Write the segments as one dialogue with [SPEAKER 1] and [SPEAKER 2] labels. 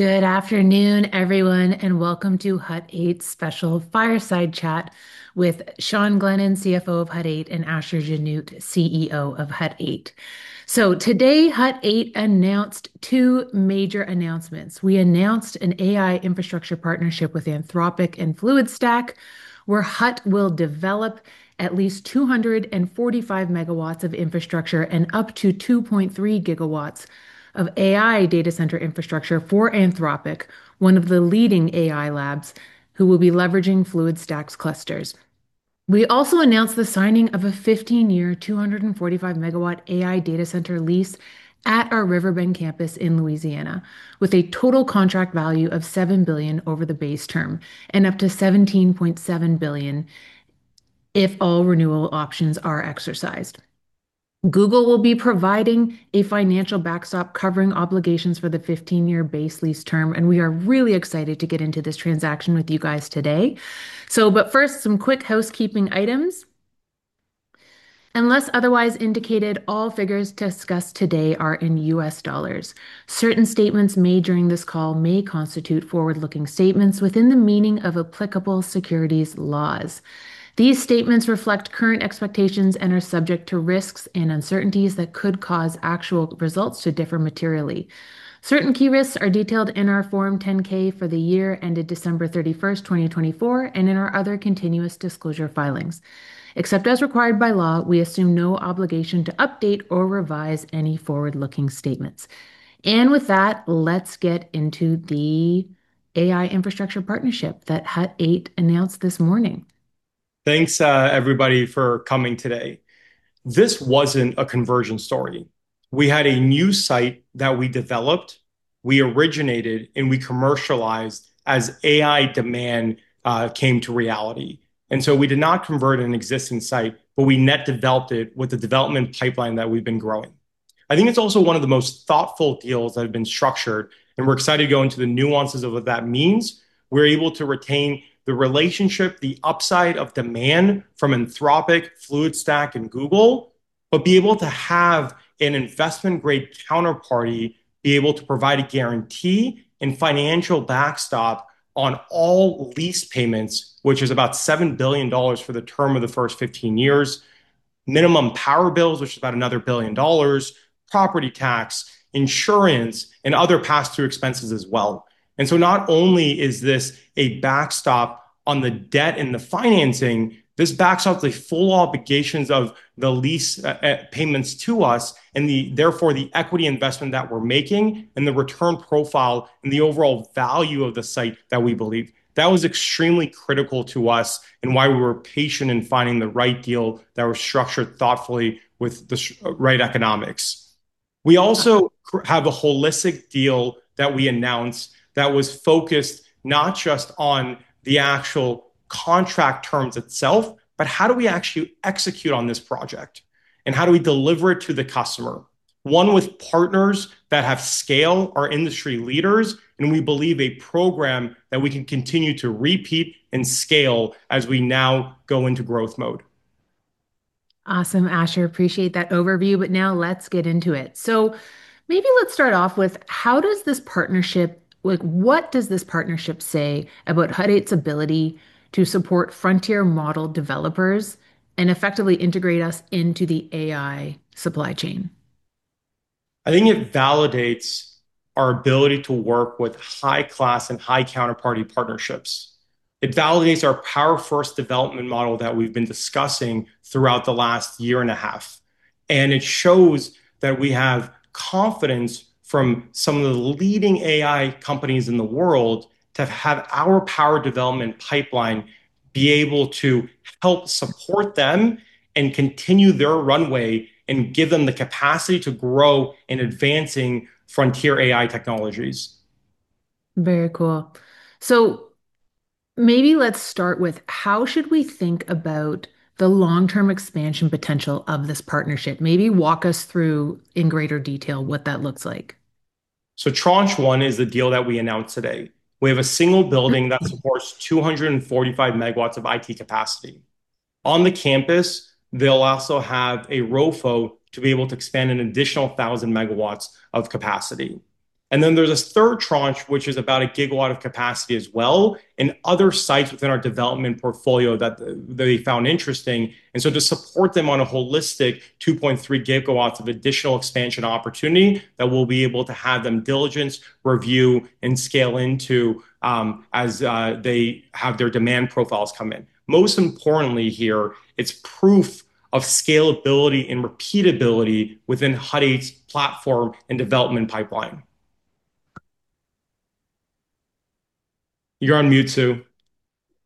[SPEAKER 1] Good afternoon, everyone, and welcome to Hut 8's Special Fireside Chat with Sean Glennon, CFO of Hut 8, and Asher Genoot, CEO of Hut 8. So today, Hut 8 announced two major announcements. We announced an AI infrastructure partnership with Anthropic and FluidStack, where Hut will develop at least 245 megawatts of infrastructure and up to 2.3 gigawatts of AI data center infrastructure for Anthropic, one of the leading AI labs who will be leveraging FluidStack's clusters. We also announced the signing of a 15-year, 245-megawatt AI data center lease at our River Bend campus in Louisiana, with a total contract value of $7 billion over the base term and up to $17.7 billion if all renewal options are exercised. Google will be providing a financial backstop covering obligations for the 15-year base lease term, and we are really excited to get into this transaction with you guys today. So, but first, some quick housekeeping items. Unless otherwise indicated, all figures discussed today are in U.S. dollars. Certain statements made during this call may constitute forward-looking statements within the meaning of applicable securities laws. These statements reflect current expectations and are subject to risks and uncertainties that could cause actual results to differ materially. Certain key risks are detailed in our Form 10-K for the year ended December 31, 2024, and in our other continuous disclosure filings. Except as required by law, we assume no obligation to update or revise any forward-looking statements. And with that, let's get into the AI infrastructure partnership that Hut 8 announced this morning.
[SPEAKER 2] Thanks, everybody, for coming today. This wasn't a conversion story. We had a new site that we developed, we originated, and we commercialized as AI demand came to reality, and so we did not convert an existing site, but we net developed it with the development pipeline that we've been growing. I think it's also one of the most thoughtful deals that have been structured, and we're excited to go into the nuances of what that means. We're able to retain the relationship, the upside of demand from Anthropic, FluidStack, and Google, but be able to have an investment-grade counterparty be able to provide a guarantee and financial backstop on all lease payments, which is about $7 billion for the term of the first 15 years, minimum power bills, which is about another $1 billion, property tax, insurance, and other pass-through expenses as well. And so not only is this a backstop on the debt and the financing, this backs up the full obligations of the lease payments to us and therefore the equity investment that we're making and the return profile and the overall value of the site that we believe. That was extremely critical to us and why we were patient in finding the right deal that was structured thoughtfully with the right economics. We also have a holistic deal that we announced that was focused not just on the actual contract terms itself, but how do we actually execute on this project and how do we deliver it to the customer? One with partners that have scale, our industry leaders, and we believe a program that we can continue to repeat and scale as we now go into growth mode.
[SPEAKER 1] Awesome, Asher. Appreciate that overview, but now let's get into it. So maybe let's start off with how does this partnership, what does this partnership say about Hut 8's ability to support frontier model developers and effectively integrate us into the AI supply chain?
[SPEAKER 2] I think it validates our ability to work with high-class and high-counterparty partnerships. It validates our power-first development model that we've been discussing throughout the last year and a half. And it shows that we have confidence from some of the leading AI companies in the world to have our power development pipeline be able to help support them and continue their runway and give them the capacity to grow in advancing frontier AI technologies.
[SPEAKER 1] Very cool. So maybe let's start with how should we think about the long-term expansion potential of this partnership? Maybe walk us through in greater detail what that looks like.
[SPEAKER 2] So tranche one is the deal that we announced today. We have a single building that supports 245 megawatts of IT capacity. On the campus, they'll also have a ROFO to be able to expand an additional 1,000 megawatts of capacity. And then there's a third tranche, which is about a gigawatt of capacity as well and other sites within our development portfolio that they found interesting. And so to support them on a holistic 2.3 gigawatts of additional expansion opportunity that we'll be able to have them diligence, review, and scale into as they have their demand profiles come in. Most importantly here, it's proof of scalability and repeatability within Hut 8's platform and development pipeline. You're on mute, Sue.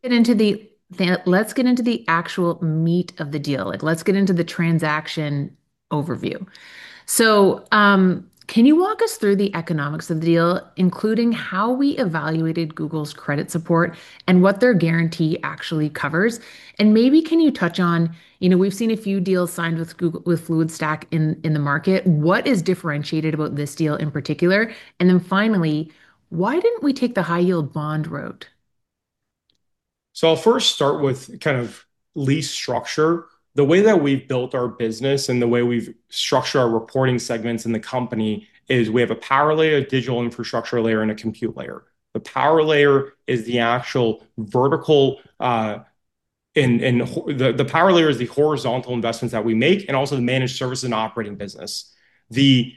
[SPEAKER 1] Let's get into the actual meat of the deal. Let's get into the transaction overview. So can you walk us through the economics of the deal, including how we evaluated Google's credit support and what their guarantee actually covers? And maybe can you touch on, you know, we've seen a few deals signed with FluidStack in the market. What is differentiated about this deal in particular? And then finally, why didn't we take the high-yield bond road?
[SPEAKER 2] So I'll first start with kind of lease structure. The way that we've built our business and the way we've structured our reporting segments in the company is we have a power layer, a digital infrastructure layer, and a compute layer. The power layer is the actual vertical, and the power layer is the horizontal investments that we make and also the managed services and operating business. The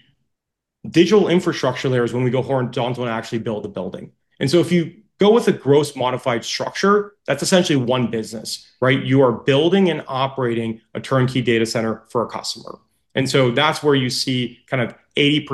[SPEAKER 2] digital infrastructure layer is when we go horizontal and actually build the building. And so if you go with a gross modified structure, that's essentially one business, right? You are building and operating a turnkey data center for a customer. And so that's where you see kind of 80%,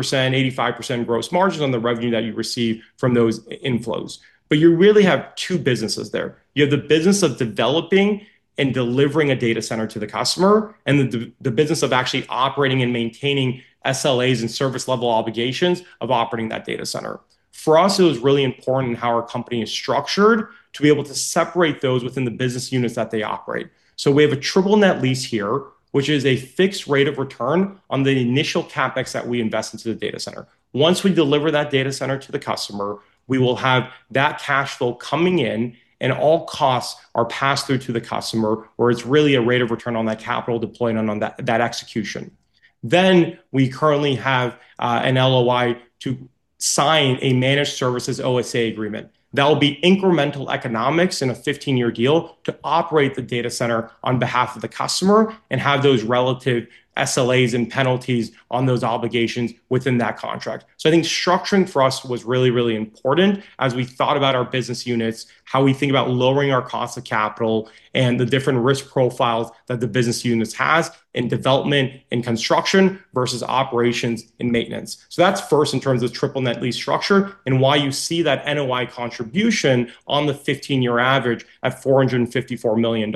[SPEAKER 2] 85% gross margins on the revenue that you receive from those inflows. But you really have two businesses there. You have the business of developing and delivering a data center to the customer and the business of actually operating and maintaining SLAs and service level obligations of operating that data center. For us, it was really important in how our company is structured to be able to separate those within the business units that they operate. So we have a Triple Net Lease here, which is a fixed rate of return on the initial CapEx that we invest into the data center. Once we deliver that data center to the customer, we will have that cash flow coming in and all costs are passed through to the customer where it's really a rate of return on that capital deployed on that execution. Then we currently have an LOI to sign a managed services OSA agreement. That will be incremental economics in a 15-year deal to operate the data center on behalf of the customer and have those relative SLAs and penalties on those obligations within that contract. So I think structuring for us was really, really important as we thought about our business units, how we think about lowering our cost of capital and the different risk profiles that the business units has in development and construction versus operations and maintenance. So that's first in terms of triple net lease structure and why you see that NOI contribution on the 15-year average at $454 million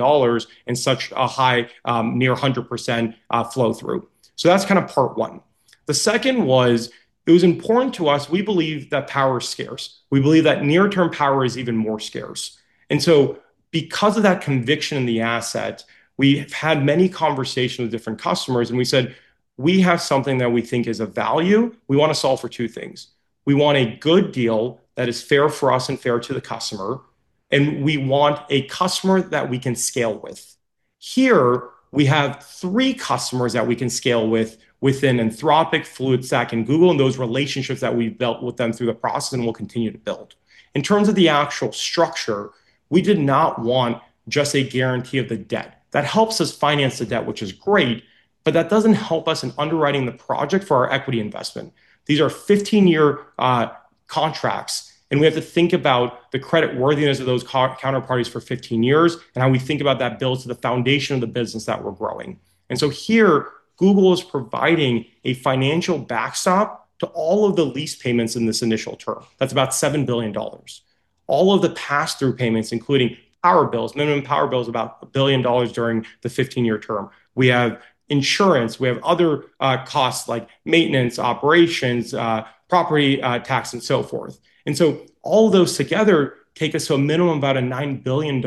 [SPEAKER 2] and such a high, near 100% flow through. So that's kind of part one. The second was it was important to us. We believe that power is scarce. We believe that near-term power is even more scarce. And so because of that conviction in the asset, we have had many conversations with different customers and we said, we have something that we think is of value. We want to solve for two things. We want a good deal that is fair for us and fair to the customer, and we want a customer that we can scale with. Here, we have three customers that we can scale with within Anthropic, FluidStack, and Google and those relationships that we've built with them through the process and will continue to build. In terms of the actual structure, we did not want just a guarantee of the debt. That helps us finance the debt, which is great, but that doesn't help us in underwriting the project for our equity investment. These are 15-year contracts, and we have to think about the creditworthiness of those counterparties for 15 years and how we think about that builds to the foundation of the business that we're growing. And so here, Google is providing a financial backstop to all of the lease payments in this initial term. That's about $7 billion. All of the pass-through payments, including power bills, minimum power bills about $1 billion during the 15-year term. We have insurance, we have other costs like maintenance, operations, property tax, and so forth. And so all of those together take us to a minimum of about a $9 billion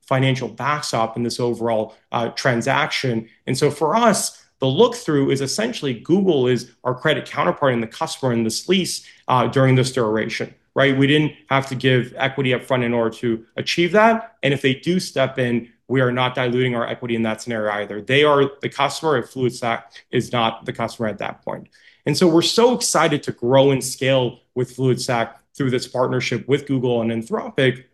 [SPEAKER 2] financial backstop in this overall transaction. And so for us, the look-through is essentially Google is our credit counterpart and the customer in this lease during this duration, right? We didn't have to give equity upfront in order to achieve that. If they do step in, we are not diluting our equity in that scenario either. They are the customer. FluidStack is not the customer at that point. We're so excited to grow and scale with FluidStack through this partnership with Google and Anthropic.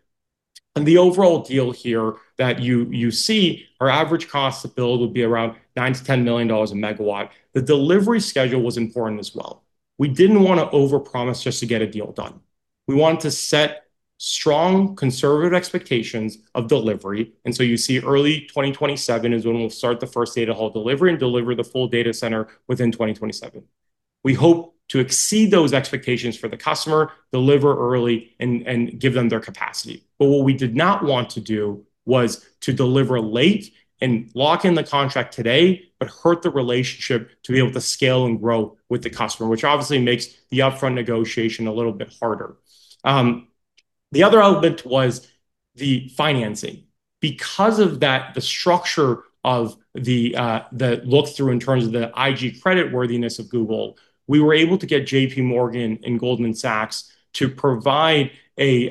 [SPEAKER 2] The overall deal here that you see, our average cost to build would be around $9-$10 million a megawatt. The delivery schedule was important as well. We didn't want to overpromise just to get a deal done. We wanted to set strong conservative expectations of delivery. You see, early 2027 is when we'll start the first data hall delivery and deliver the full data center within 2027. We hope to exceed those expectations for the customer, deliver early, and give them their capacity. But what we did not want to do was to deliver late and lock in the contract today, but hurt the relationship to be able to scale and grow with the customer, which obviously makes the upfront negotiation a little bit harder. The other element was the financing. Because of that, the structure of the look-through in terms of the IG creditworthiness of Google, we were able to get JPMorgan and Goldman Sachs to provide a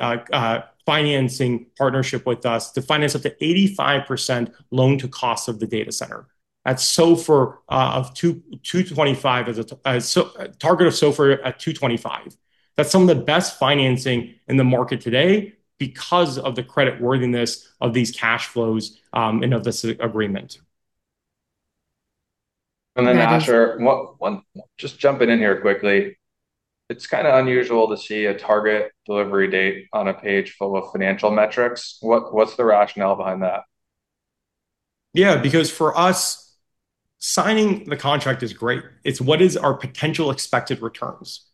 [SPEAKER 2] financing partnership with us to finance up to 85% loan-to-cost of the data center. That's SOFR of 225, target of SOFR at 225. That's some of the best financing in the market today because of the creditworthiness of these cash flows and of this agreement.
[SPEAKER 3] Asher, just jumping in here quickly, it's kind of unusual to see a target delivery date on a page full of financial metrics. What's the rationale behind that?
[SPEAKER 2] Yeah, because for us, signing the contract is great. It's what is our potential expected returns.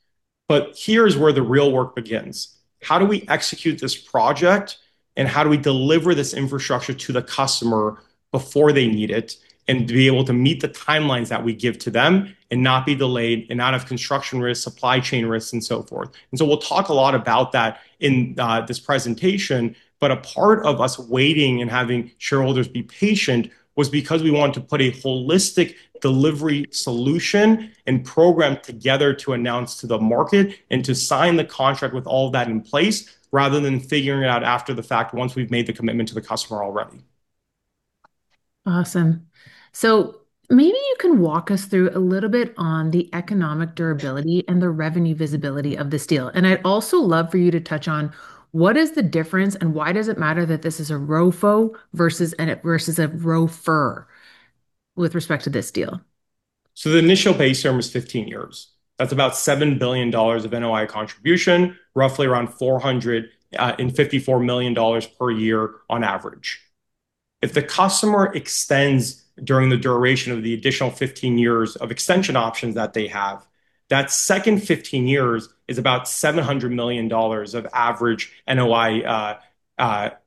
[SPEAKER 2] But here's where the real work begins. How do we execute this project and how do we deliver this infrastructure to the customer before they need it and be able to meet the timelines that we give to them and not be delayed and not have construction risks, supply chain risks, and so forth? And so we'll talk a lot about that in this presentation, but a part of us waiting and having shareholders be patient was because we want to put a holistic delivery solution and program together to announce to the market and to sign the contract with all of that in place rather than figuring it out after the fact once we've made the commitment to the customer already.
[SPEAKER 1] Awesome. So maybe you can walk us through a little bit on the economic durability and the revenue visibility of this deal. And I'd also love for you to touch on what is the difference and why does it matter that this is a ROFO versus a ROFR with respect to this deal?
[SPEAKER 2] So the initial base term is 15 years. That's about $7 billion of NOI contribution, roughly around $454 million per year on average. If the customer extends during the duration of the additional 15 years of extension options that they have, that second 15 years is about $700 million of average NOI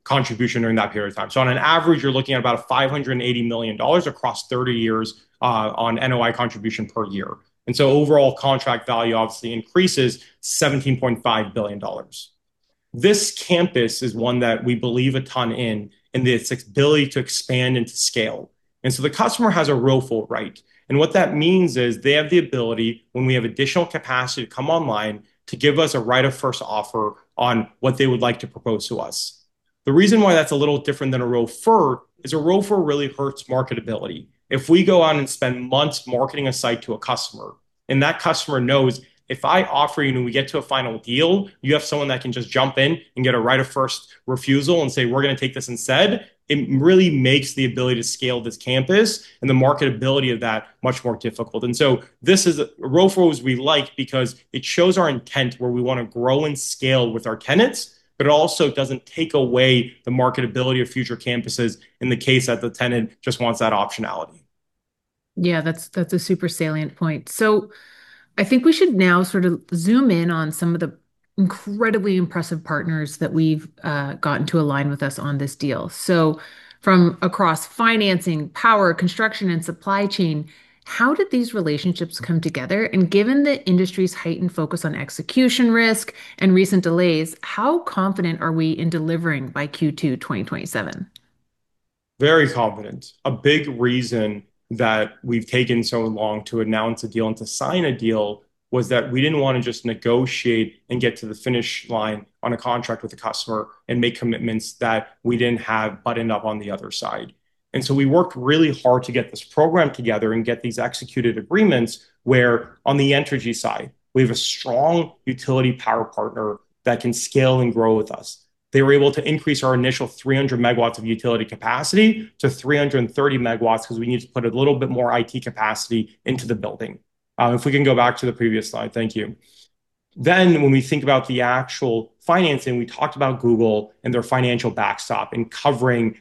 [SPEAKER 2] contribution during that period of time. So on an average, you're looking at about $580 million across 30 years on NOI contribution per year. And so overall contract value obviously increases $17.5 billion. This campus is one that we believe a ton in and its ability to expand and to scale. And so the customer has a ROFO right. And what that means is they have the ability, when we have additional capacity to come online, to give us a right of first offer on what they would like to propose to us. The reason why that's a little different than a ROFR is a ROFR really hurts marketability. If we go on and spend months marketing a site to a customer and that customer knows if I offer you and we get to a final deal, you have someone that can just jump in and get a right of first refusal and say, "We're going to take this instead," it really makes the ability to scale this campus and the marketability of that much more difficult. And so this is a ROFR we like because it shows our intent where we want to grow and scale with our tenants, but it also doesn't take away the marketability of future campuses in the case that the tenant just wants that optionality.
[SPEAKER 1] Yeah, that's a super salient point. So I think we should now sort of zoom in on some of the incredibly impressive partners that we've gotten to align with us on this deal. So from across financing, power, construction, and supply chain, how did these relationships come together? And given the industry's heightened focus on execution risk and recent delays, how confident are we in delivering by Q2 2027?
[SPEAKER 2] Very confident. A big reason that we've taken so long to announce a deal and to sign a deal was that we didn't want to just negotiate and get to the finish line on a contract with a customer and make commitments that we didn't have buttoned up on the other side. And so we worked really hard to get this program together and get these executed agreements where on the energy side, we have a strong utility power partner that can scale and grow with us. They were able to increase our initial 300 megawatts of utility capacity to 330 megawatts because we need to put a little bit more IT capacity into the building. If we can go back to the previous slide, thank you. Then when we think about the actual financing, we talked about Google and their financial backstop and covering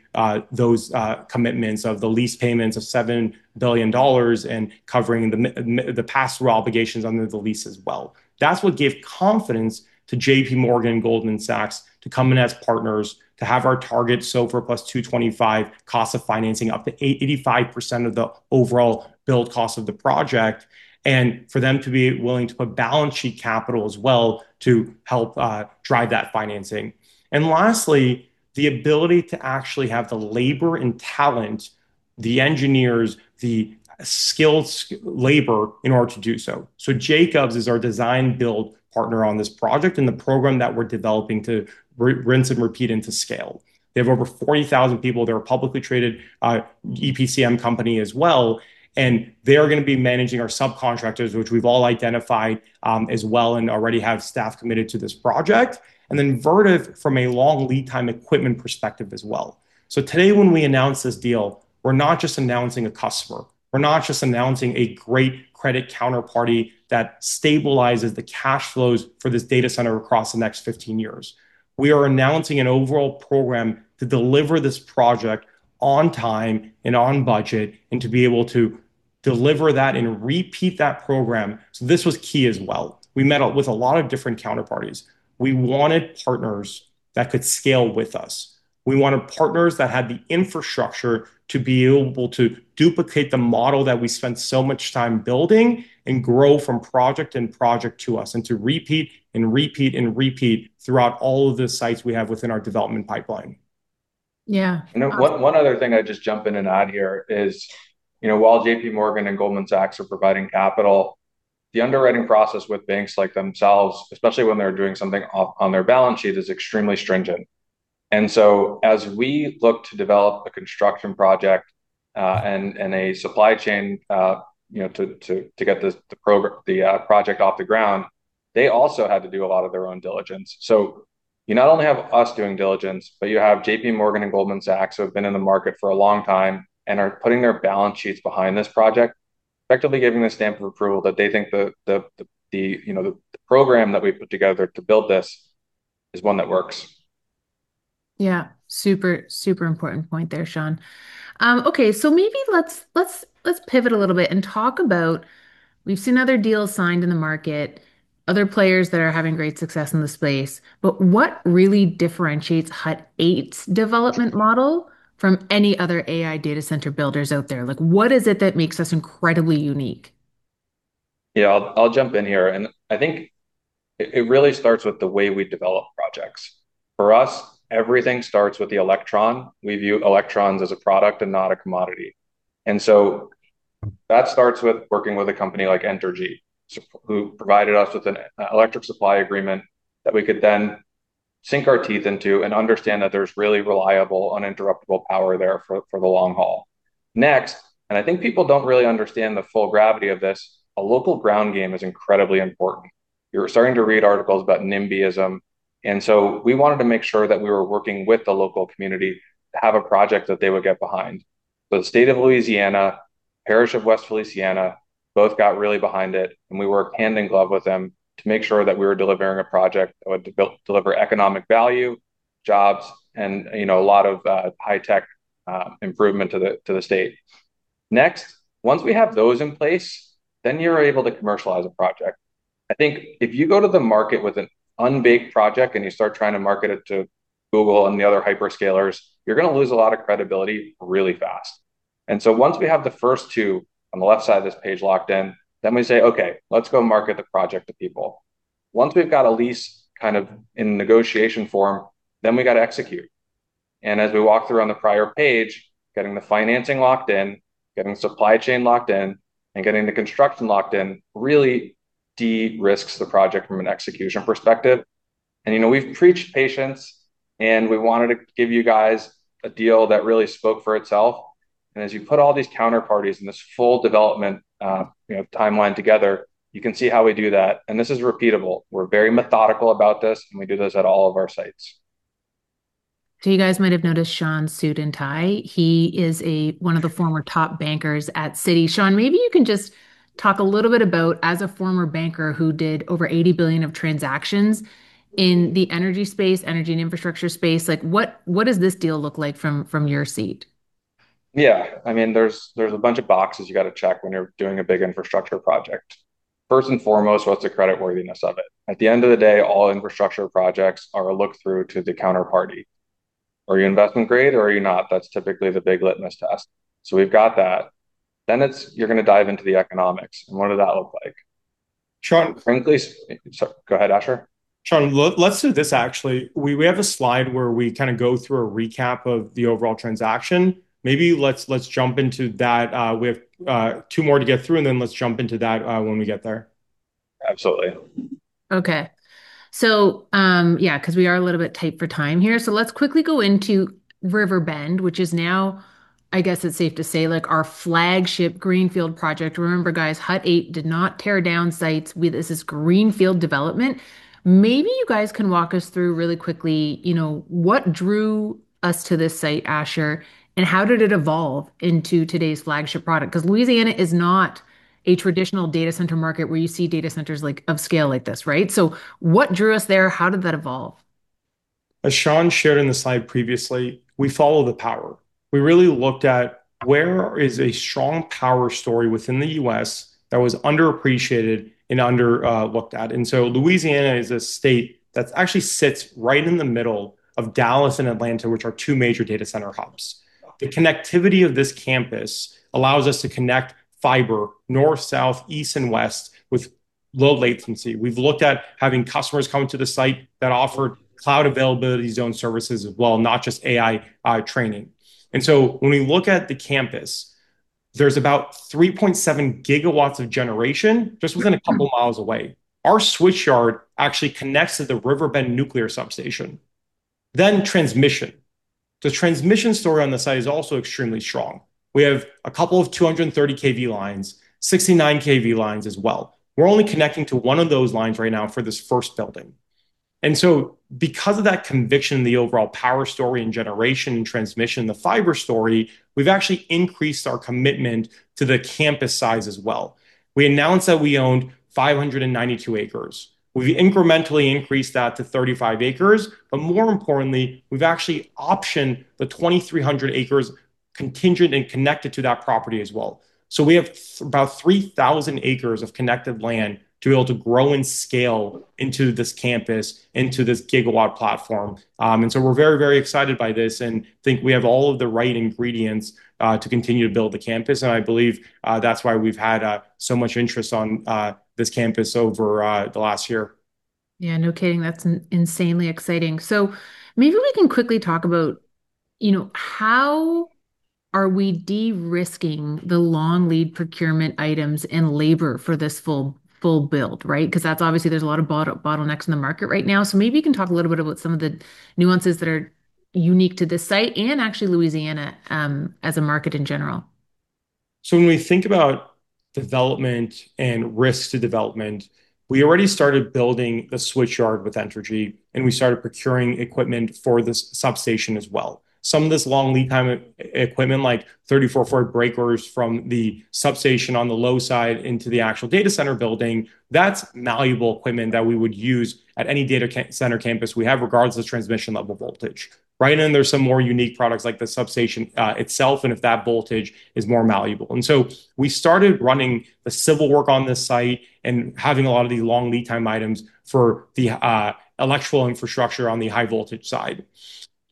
[SPEAKER 2] those commitments of the lease payments of $7 billion and covering the pass-through obligations under the lease as well. That's what gave confidence to JPMorgan and Goldman Sachs to come in as partners to have our target SOFR plus 225 cost of financing up to 85% of the overall build cost of the project and for them to be willing to put balance sheet capital as well to help drive that financing. And lastly, the ability to actually have the labor and talent, the engineers, the skilled labor in order to do so. So Jacobs is our design-build partner on this project and the program that we're developing to rinse and repeat into scale. They have over 40,000 people. They're a publicly traded EPCM company as well. They are going to be managing our subcontractors, which we've all identified as well and already have staff committed to this project. Then Vertiv from a long lead time equipment perspective as well. Today when we announce this deal, we're not just announcing a customer. We're not just announcing a great credit counterparty that stabilizes the cash flows for this data center across the next 15 years. We are announcing an overall program to deliver this project on time and on budget and to be able to deliver that and repeat that program. This was key as well. We met with a lot of different counterparties. We wanted partners that could scale with us. We wanted partners that had the infrastructure to be able to duplicate the model that we spent so much time building and grow from project and project to us and to repeat and repeat and repeat throughout all of the sites we have within our development pipeline.
[SPEAKER 1] Yeah.
[SPEAKER 3] One other thing I'd just jump in and add here is while JPMorgan and Goldman Sachs are providing capital, the underwriting process with banks like themselves, especially when they're doing something on their balance sheet, is extremely stringent, and so as we look to develop a construction project and a supply chain to get the project off the ground, they also had to do a lot of their own diligence, so you not only have us doing diligence, but you have JPMorgan and Goldman Sachs who have been in the market for a long time and are putting their balance sheets behind this project, effectively giving the stamp of approval that they think the program that we put together to build this is one that works.
[SPEAKER 1] Yeah, super, super important point there, Sean. Okay, so maybe let's pivot a little bit and talk about we've seen other deals signed in the market, other players that are having great success in this space, but what really differentiates Hut 8's development model from any other AI data center builders out there? What is it that makes us incredibly unique?
[SPEAKER 3] Yeah, I'll jump in here. And I think it really starts with the way we develop projects. For us, everything starts with the electron. We view electrons as a product and not a commodity. And so that starts with working with a company like Entergy, who provided us with an electric supply agreement that we could then sink our teeth into and understand that there's really reliable, uninterruptible power there for the long haul. Next, and I think people don't really understand the full gravity of this, a local ground game is incredibly important. You're starting to read articles about NIMBYism. And so we wanted to make sure that we were working with the local community to have a project that they would get behind. So the state of Louisiana, West Feliciana Parish, both got really behind it, and we worked hand in glove with them to make sure that we were delivering a project that would deliver economic value, jobs, and a lot of high-tech improvement to the state. Next, once we have those in place, then you're able to commercialize a project. I think if you go to the market with an unbaked project and you start trying to market it to Google and the other hyperscalers, you're going to lose a lot of credibility really fast. And so once we have the first two on the left side of this page locked in, then we say, "Okay, let's go market the project to people." Once we've got a lease kind of in negotiation form, then we got to execute. And as we walk through on the prior page, getting the financing locked in, getting the supply chain locked in, and getting the construction locked in really de-risks the project from an execution perspective. And we've preached patience, and we wanted to give you guys a deal that really spoke for itself. And as you put all these counterparties in this full development timeline together, you can see how we do that. And this is repeatable. We're very methodical about this, and we do this at all of our sites.
[SPEAKER 1] You guys might have noticed Sean's suit and tie. He is one of the former top bankers at Citi. Sean, maybe you can just talk a little bit about, as a former banker who did over 80 billion of transactions in the energy space, energy and infrastructure space, what does this deal look like from your seat?
[SPEAKER 3] Yeah, I mean, there's a bunch of boxes you got to check when you're doing a big infrastructure project. First and foremost, what's the creditworthiness of it? At the end of the day, all infrastructure projects are a look-through to the counterparty. Are you investment-grade or are you not? That's typically the big litmus test. So we've got that. Then you're going to dive into the economics. What does that look like?
[SPEAKER 2] Sean, frankly.
[SPEAKER 3] Sorry, go ahead, Asher.
[SPEAKER 2] Sean, let's do this actually. We have a slide where we kind of go through a recap of the overall transaction. Maybe let's jump into that. We have two more to get through, and then let's jump into that when we get there.
[SPEAKER 3] Absolutely.
[SPEAKER 1] Okay. So yeah, because we are a little bit tight for time here, so let's quickly go into Riverbend, which is now, I guess it's safe to say, our flagship greenfield project. Remember, guys, Hut 8 did not tear down sites. This is greenfield development. Maybe you guys can walk us through really quickly what drew us to this site, Asher, and how did it evolve into today's flagship product? Because Louisiana is not a traditional data center market where you see data centers of scale like this, right? So what drew us there? How did that evolve?
[SPEAKER 2] As Sean shared in the slide previously, we follow the power. We really looked at where is a strong power story within the U.S. that was underappreciated and overlooked. So Louisiana is a state that actually sits right in the middle of Dallas and Atlanta, which are two major data center hubs. The connectivity of this campus allows us to connect fiber north, south, east, and west with low latency. We've looked at having customers come to the site that offered cloud availability zone services as well, not just AI training. So when we look at the campus, there's about 3.7 gigawatts of generation just within a couple of miles away. Our switchyard actually connects to the River Bend nuclear substation. Then transmission. The transmission story on the site is also extremely strong. We have a couple of 230 kV lines, 69 kV lines as well. We're only connecting to one of those lines right now for this first building. Because of that conviction in the overall power story and generation and transmission, the fiber story, we've actually increased our commitment to the campus size as well. We announced that we owned 592 acres. We've incrementally increased that to 35 acres, but more importantly, we've actually optioned the 2,300 acres contingent and connected to that property as well. We have about 3,000 acres of connected land to be able to grow and scale into this campus, into this gigawatt platform. We're very, very excited by this and think we have all of the right ingredients to continue to build the campus. I believe that's why we've had so much interest on this campus over the last year.
[SPEAKER 1] Yeah, no kidding. That's insanely exciting. So maybe we can quickly talk about how are we de-risking the long lead procurement items and labor for this full build, right? Because that's obviously, there's a lot of bottlenecks in the market right now. So maybe you can talk a little bit about some of the nuances that are unique to this site and actually Louisiana as a market in general.
[SPEAKER 2] So when we think about development and risk to development, we already started building the switch yard with Entergy, and we started procuring equipment for this substation as well. Some of this long lead time equipment, like 34.5 kV breakers from the substation on the low side into the actual data center building, that's malleable equipment that we would use at any data center campus we have, regardless of transmission level voltage. Right? And then there's some more unique products like the substation itself and if that voltage is more malleable. And so we started running the civil work on this site and having a lot of these long lead time items for the electrical infrastructure on the high voltage side.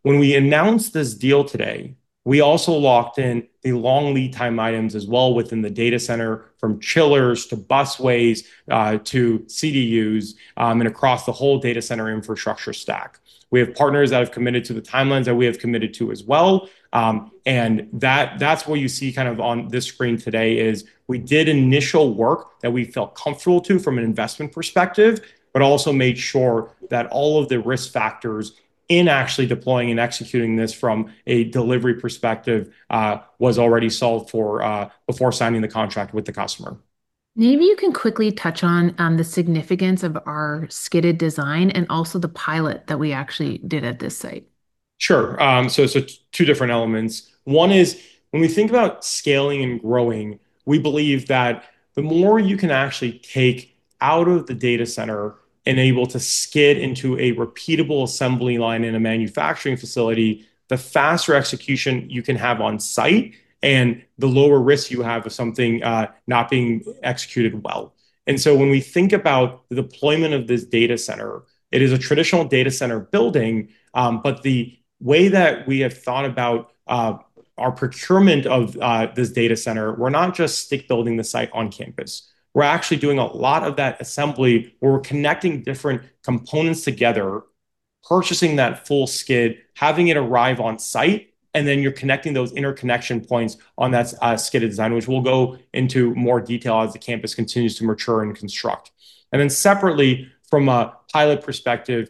[SPEAKER 2] When we announced this deal today, we also locked in the long lead time items as well within the data center from chillers to busways to CDUs and across the whole data center infrastructure stack. We have partners that have committed to the timelines that we have committed to as well, and that's what you see kind of on this screen today is we did initial work that we felt comfortable to from an investment perspective, but also made sure that all of the risk factors in actually deploying and executing this from a delivery perspective was already solved before signing the contract with the customer.
[SPEAKER 1] Maybe you can quickly touch on the significance of our skidded design and also the pilot that we actually did at this site.
[SPEAKER 2] Sure, so it's two different elements. One is when we think about scaling and growing, we believe that the more you can actually take out of the data center and able to skid into a repeatable assembly line in a manufacturing facility, the faster execution you can have on site and the lower risk you have of something not being executed well, and so when we think about the deployment of this data center, it is a traditional data center building, but the way that we have thought about our procurement of this data center, we're not just stick building the site on campus. We're actually doing a lot of that assembly where we're connecting different components together, purchasing that full skid, having it arrive on site, and then you're connecting those interconnection points on that skidded design, which we'll go into more detail as the campus continues to mature and construct, and then separately from a pilot perspective,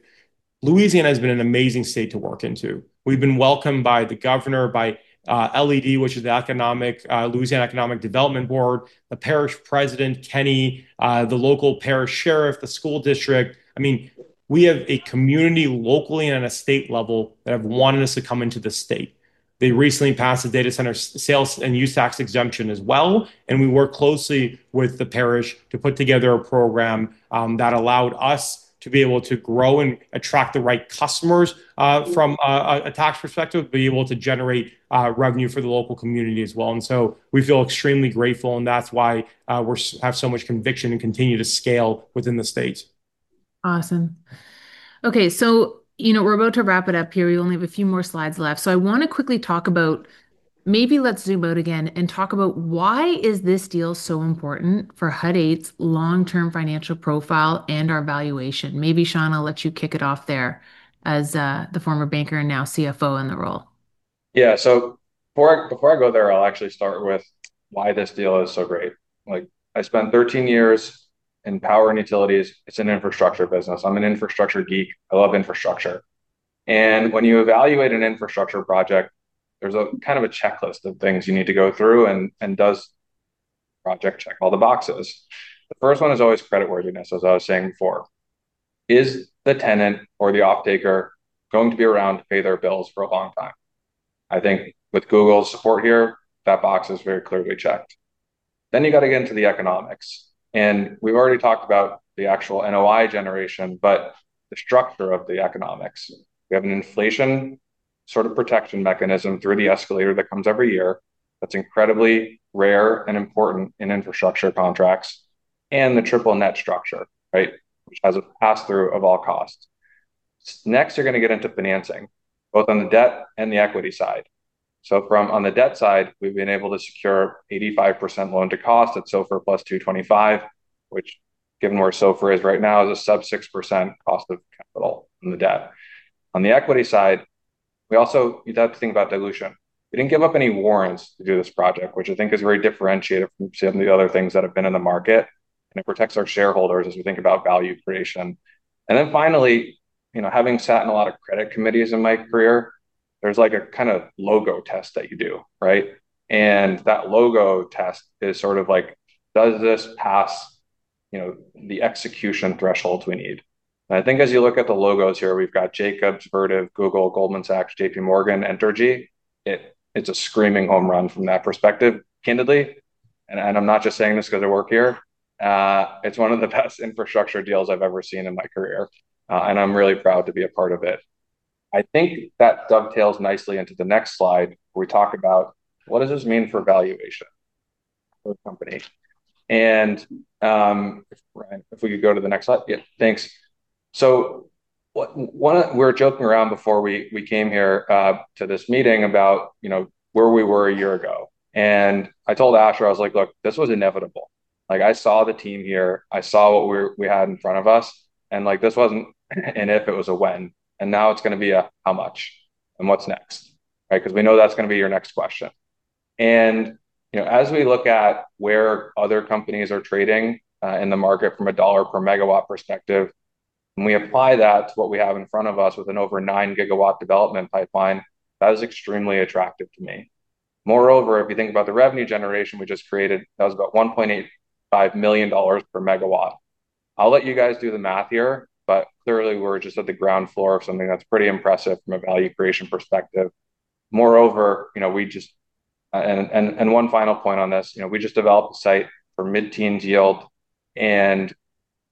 [SPEAKER 2] Louisiana has been an amazing state to work into. We've been welcomed by the governor, by LED, which is the Louisiana Economic Development Board, the parish president, Kenny, the local parish sheriff, the school district. I mean, we have a community locally and at a state level that have wanted us to come into the state. They recently passed a data center sales and use tax exemption as well. And we work closely with the parish to put together a program that allowed us to be able to grow and attract the right customers from a tax perspective, be able to generate revenue for the local community as well. And so we feel extremely grateful, and that's why we have so much conviction and continue to scale within the state.
[SPEAKER 1] Awesome. Okay, so we're about to wrap it up here. We only have a few more slides left. So I want to quickly talk about maybe let's zoom out again and talk about why is this deal so important for Hut 8's long-term financial profile and our valuation. Maybe Sean, I'll let you kick it off there as the former banker and now CFO in the role.
[SPEAKER 3] Yeah, so before I go there, I'll actually start with why this deal is so great. I spent 13 years in power and utilities. It's an infrastructure business. I'm an infrastructure geek. I love infrastructure. And when you evaluate an infrastructure project, there's a kind of a checklist of things you need to go through and does the project check all the boxes. The first one is always creditworthiness, as I was saying before. Is the tenant or the off-taker going to be around to pay their bills for a long time? I think with Google's support here, that box is very clearly checked. Then you got to get into the economics. And we've already talked about the actual NOI generation, but the structure of the economics. We have an inflation sort of protection mechanism through the escalator that comes every year. That's incredibly rare and important in infrastructure contracts and the triple net structure, right, which has a pass-through of all costs. Next, you're going to get into financing, both on the debt and the equity side. So from on the debt side, we've been able to secure 85% loan-to-cost at SOFR plus 225, which, given where SOFR is right now, is a sub 6% cost of capital on the debt. On the equity side, we also have to think about dilution. We didn't give up any warrants to do this project, which I think is very differentiated from some of the other things that have been in the market. And it protects our shareholders as we think about value creation. And then finally, having sat in a lot of credit committees in my career, there's like a kind of logo test that you do, right? And that logo test is sort of like, does this pass the execution thresholds we need? And I think as you look at the logos here, we've got Jacobs, Vertiv, Google, Goldman Sachs, JP Morgan, Entergy. It's a screaming home run from that perspective, candidly. And I'm not just saying this because I work here. It's one of the best infrastructure deals I've ever seen in my career. And I'm really proud to be a part of it. I think that dovetails nicely into the next slide where we talk about what does this mean for valuation for the company. And if we could go to the next slide. Yeah, thanks. So we were joking around before we came here to this meeting about where we were a year ago. And I told Asher, I was like, "Look, this was inevitable. I saw the team here. I saw what we had in front of us, and this wasn't an if, it was a when. Now it's going to be a how much and what's next, right? Because we know that's going to be your next question. As we look at where other companies are trading in the market from a dollar per megawatt perspective, and we apply that to what we have in front of us with an over nine-gigawatt development pipeline, that is extremely attractive to me. Moreover, if you think about the revenue generation we just created, that was about $1.85 million per megawatt. I'll let you guys do the math here, but clearly we're just at the ground floor of something that's pretty impressive from a value creation perspective. Moreover, we just, and one final point on this, we just developed a site for mid-teens yield, and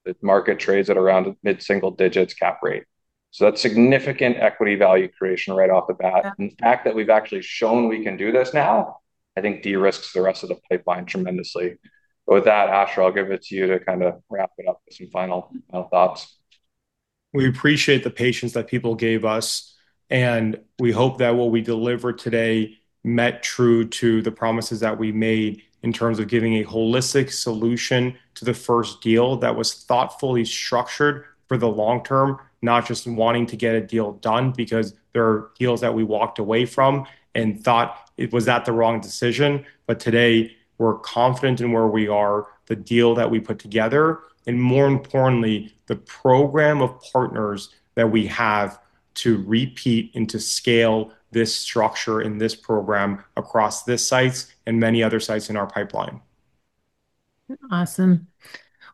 [SPEAKER 3] the market trades at around mid-single digits cap rate. So that's significant equity value creation right off the bat. And the fact that we've actually shown we can do this now, I think de-risks the rest of the pipeline tremendously. But with that, Asher, I'll give it to you to kind of wrap it up with some final thoughts.
[SPEAKER 2] We appreciate the patience that people gave us, and we hope that what we delivered today met true to the promises that we made in terms of giving a holistic solution to the first deal that was thoughtfully structured for the long term, not just wanting to get a deal done because there are deals that we walked away from and thought it was not the wrong decision, but today, we're confident in where we are, the deal that we put together, and more importantly, the program of partners that we have to repeat and to scale this structure in this program across this site and many other sites in our pipeline.
[SPEAKER 1] Awesome.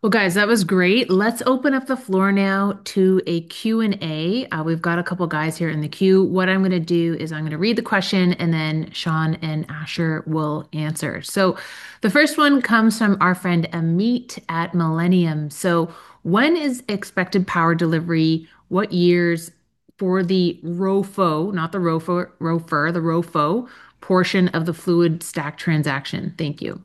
[SPEAKER 1] Well, guys, that was great. Let's open up the floor now to a Q&A. We've got a couple of guys here in the queue. What I'm going to do is I'm going to read the question, and then Sean and Asher will answer. So the first one comes from our friend Amit at Millennium. So when is expected power delivery? What years for the ROFO, not the ROFO, ROFR, the ROFO portion of the FluidStack transaction? Thank you.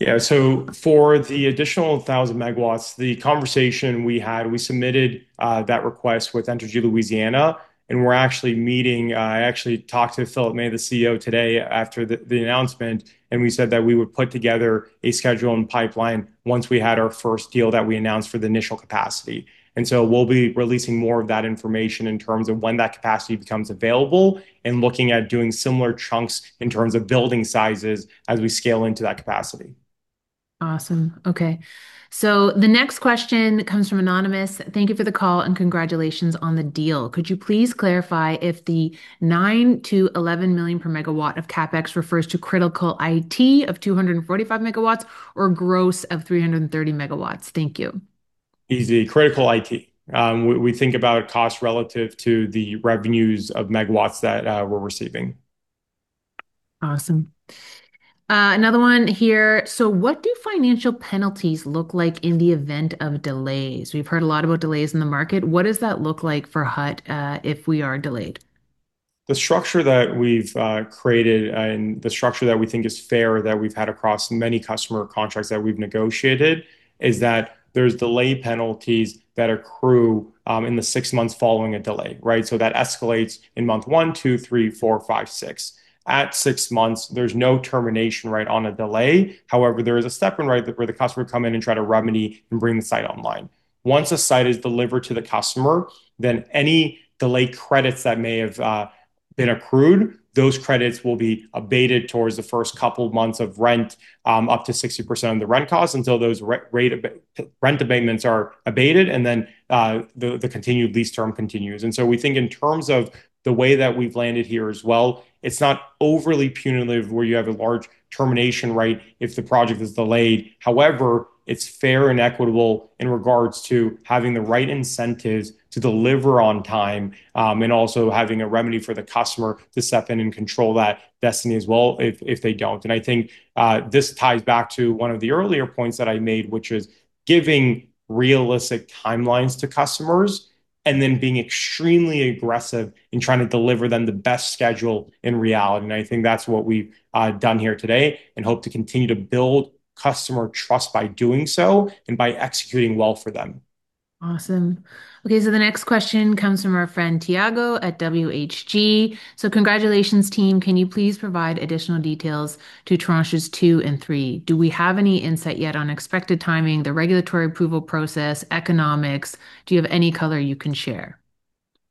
[SPEAKER 2] Yeah, so for the additional 1,000 megawatts, the conversation we had, we submitted that request with Entergy Louisiana. And we're actually meeting. I actually talked to Phillip May, the CEO, today after the announcement, and we said that we would put together a schedule and pipeline once we had our first deal that we announced for the initial capacity. And so we'll be releasing more of that information in terms of when that capacity becomes available and looking at doing similar chunks in terms of building sizes as we scale into that capacity.
[SPEAKER 1] Awesome. Okay. So the next question comes from Anonymous. Thank you for the call and congratulations on the deal. Could you please clarify if the $9-11 million per megawatt of CapEx refers to critical IT of 245 megawatts or gross of 330 megawatts? Thank you.
[SPEAKER 2] Easy. Critical IT. We think about cost relative to the revenues of megawatts that we're receiving.
[SPEAKER 1] Awesome. Another one here. So what do financial penalties look like in the event of delays? We've heard a lot about delays in the market. What does that look like for Hut if we are delayed?
[SPEAKER 2] The structure that we've created and the structure that we think is fair that we've had across many customer contracts that we've negotiated is that there's delay penalties that accrue in the six months following a delay, right? So that escalates in month one, two, three, four, five, six. At six months, there's no termination right on a delay. However, there is a step in right where the customer would come in and try to remedy and bring the site online. Once a site is delivered to the customer, then any delay credits that may have been accrued, those credits will be abated towards the first couple of months of rent, up to 60% of the rent cost until those rent abatements are abated and then the continued lease term continues. And so we think in terms of the way that we've landed here as well, it's not overly punitive where you have a large termination rate if the project is delayed. However, it's fair and equitable in regards to having the right incentives to deliver on time and also having a remedy for the customer to step in and control that destiny as well if they don't. And I think this ties back to one of the earlier points that I made, which is giving realistic timelines to customers and then being extremely aggressive in trying to deliver them the best schedule in reality. And I think that's what we've done here today and hope to continue to build customer trust by doing so and by executing well for them.
[SPEAKER 1] Awesome. Okay, so the next question comes from our friend Tiago at WHG. So congratulations, team. Can you please provide additional details to tranches two and three? Do we have any insight yet on expected timing, the regulatory approval process, economics? Do you have any color you can share?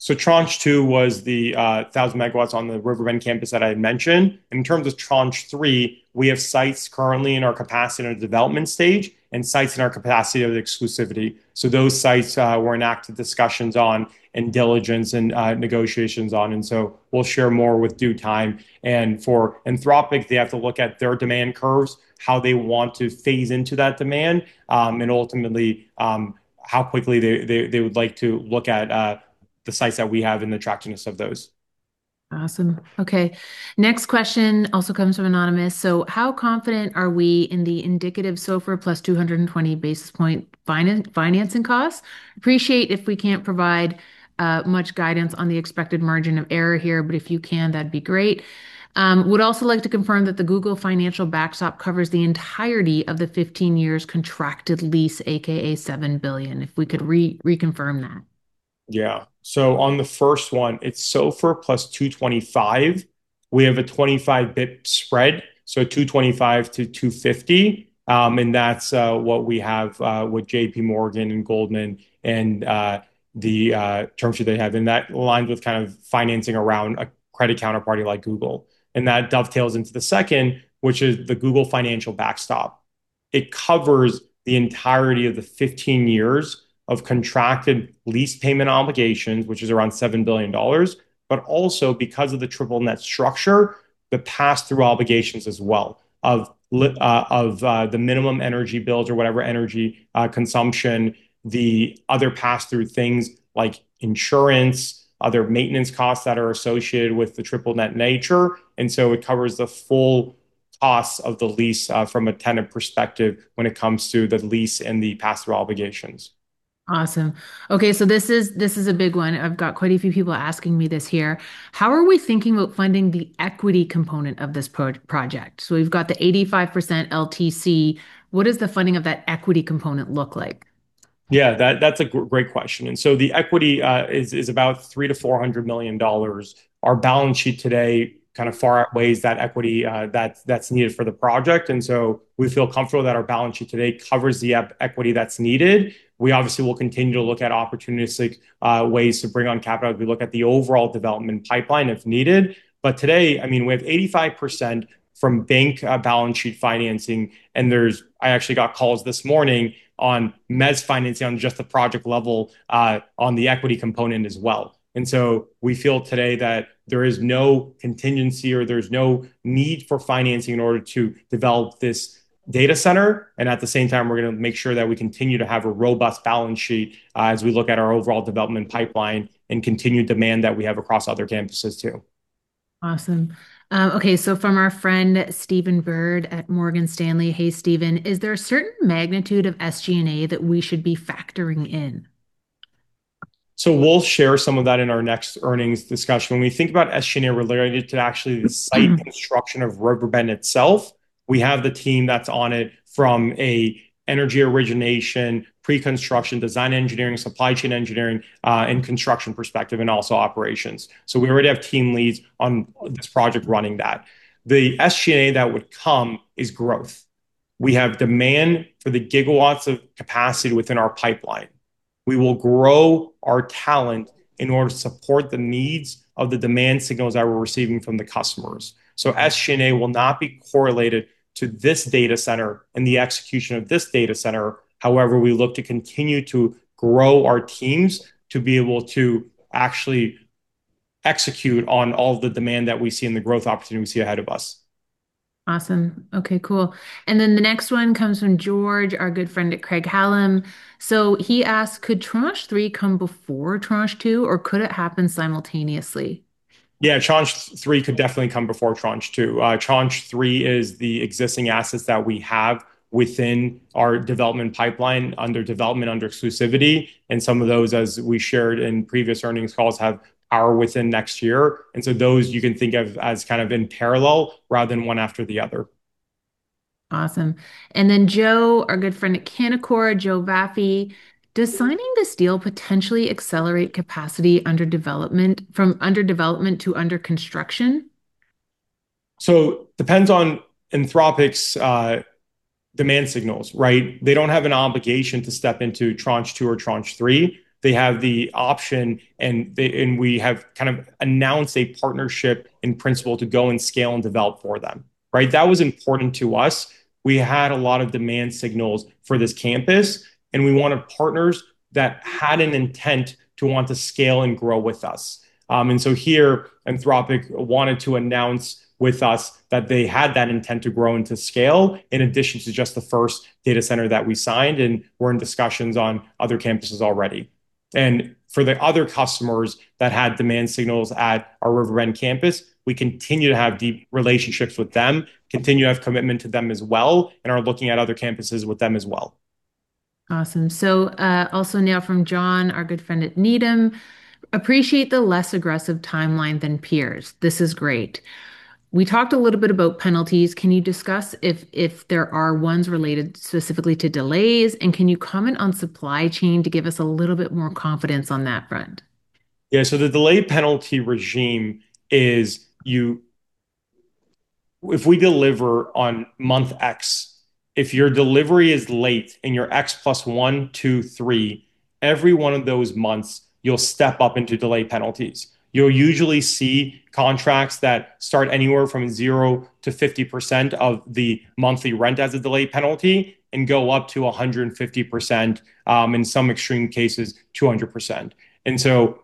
[SPEAKER 2] So tranche two was the 1,000 megawatts on the Riverbend campus that I had mentioned. In terms of tranche three, we have sites currently in our capacity and our development stage and sites in our capacity of exclusivity. So those sites were in active discussions on and diligence and negotiations on. And so we'll share more with due time. And for Anthropic, they have to look at their demand curves, how they want to phase into that demand, and ultimately how quickly they would like to look at the sites that we have and the attractiveness of those.
[SPEAKER 1] Awesome. Okay. Next question also comes from Anonymous. So how confident are we in the indicative SOFR plus 220 basis point financing costs? Appreciate if we can't provide much guidance on the expected margin of error here, but if you can, that'd be great. Would also like to confirm that the Google financial backstop covers the entirety of the 15 years contracted lease, AKA $7 billion. If we could reconfirm that.
[SPEAKER 2] Yeah. So on the first one, it's SOFR plus 225. We have a 25 basis point spread, so 225 to 250. And that's what we have with JP Morgan and Goldman and the terms that they have. And that aligns with kind of financing around a credit counterparty like Google. And that dovetails into the second, which is the Google financial backstop. It covers the entirety of the 15 years of contracted lease payment obligations, which is around $7 billion, but also because of the triple net structure, the pass-through obligations as well of the minimum energy bills or whatever energy consumption, the other pass-through things like insurance, other maintenance costs that are associated with the triple net nature. And so it covers the full costs of the lease from a tenant perspective when it comes to the lease and the pass-through obligations.
[SPEAKER 1] Awesome. Okay, so this is a big one. I've got quite a few people asking me this here. How are we thinking about funding the equity component of this project? So we've got the 85% LTC. What does the funding of that equity component look like?
[SPEAKER 2] Yeah, that's a great question. And so the equity is about $300-$400 million. Our balance sheet today kind of far outweighs that equity that's needed for the project. And so we feel comfortable that our balance sheet today covers the equity that's needed. We obviously will continue to look at opportunistic ways to bring on capital as we look at the overall development pipeline if needed. But today, I mean, we have 85% from bank balance sheet financing. And I actually got calls this morning on mezz financing on just the project level on the equity component as well. And so we feel today that there is no contingency or there's no need for financing in order to develop this data center. At the same time, we're going to make sure that we continue to have a robust balance sheet as we look at our overall development pipeline and continued demand that we have across other campuses too.
[SPEAKER 1] Awesome. Okay, so from our friend Stephen Byrd at Morgan Stanley, hey, Stephen, is there a certain magnitude of SG&A that we should be factoring in?
[SPEAKER 2] So we'll share some of that in our next earnings discussion. When we think about SG&A related to actually the site construction of Riverbend itself, we have the team that's on it from an energy origination, pre-construction, design engineering, supply chain engineering, and construction perspective, and also operations. So we already have team leads on this project running that. The SG&A that would come is growth. We have demand for the gigawatts of capacity within our pipeline. We will grow our talent in order to support the needs of the demand signals that we're receiving from the customers. So SG&A will not be correlated to this data center and the execution of this data center. However, we look to continue to grow our teams to be able to actually execute on all of the demand that we see and the growth opportunity we see ahead of us.
[SPEAKER 1] Awesome. Okay, cool. And then the next one comes from George, our good friend at Craig-Hallum. So he asked, could tranche three come before tranche two, or could it happen simultaneously?
[SPEAKER 2] Yeah, tranche three could definitely come before tranche two. Tranche three is the existing assets that we have within our development pipeline under development under exclusivity. And some of those, as we shared in previous earnings calls, are within next year. And so those you can think of as kind of in parallel rather than one after the other.
[SPEAKER 1] Awesome. And then Joe, our good friend at Canaccord Genuity, Joe Vafi, does signing this deal potentially accelerate capacity from under development to under construction?
[SPEAKER 2] It depends on Anthropic's demand signals, right? They don't have an obligation to step into tranche two or tranche three. They have the option, and we have kind of announced a partnership in principle to go and scale and develop for them, right? That was important to us. We had a lot of demand signals for this campus, and we wanted partners that had an intent to want to scale and grow with us. And so here, Anthropic wanted to announce with us that they had that intent to grow and to scale in addition to just the first data center that we signed, and we're in discussions on other campuses already. For the other customers that had demand signals at our Riverbend campus, we continue to have deep relationships with them, continue to have commitment to them as well, and are looking at other campuses with them as well.
[SPEAKER 1] Awesome. So also now from John, our good friend at Needham, appreciate the less aggressive timeline than peers. This is great. We talked a little bit about penalties. Can you discuss if there are ones related specifically to delays, and can you comment on supply chain to give us a little bit more confidence on that front?
[SPEAKER 2] Yeah, so the delay penalty regime is if we deliver on month X. If your delivery is late and you're X plus one, two, three, every one of those months, you'll step up into delay penalties. You'll usually see contracts that start anywhere from 0%-50% of the monthly rent as a delay penalty and go up to 150%, in some extreme cases, 200%.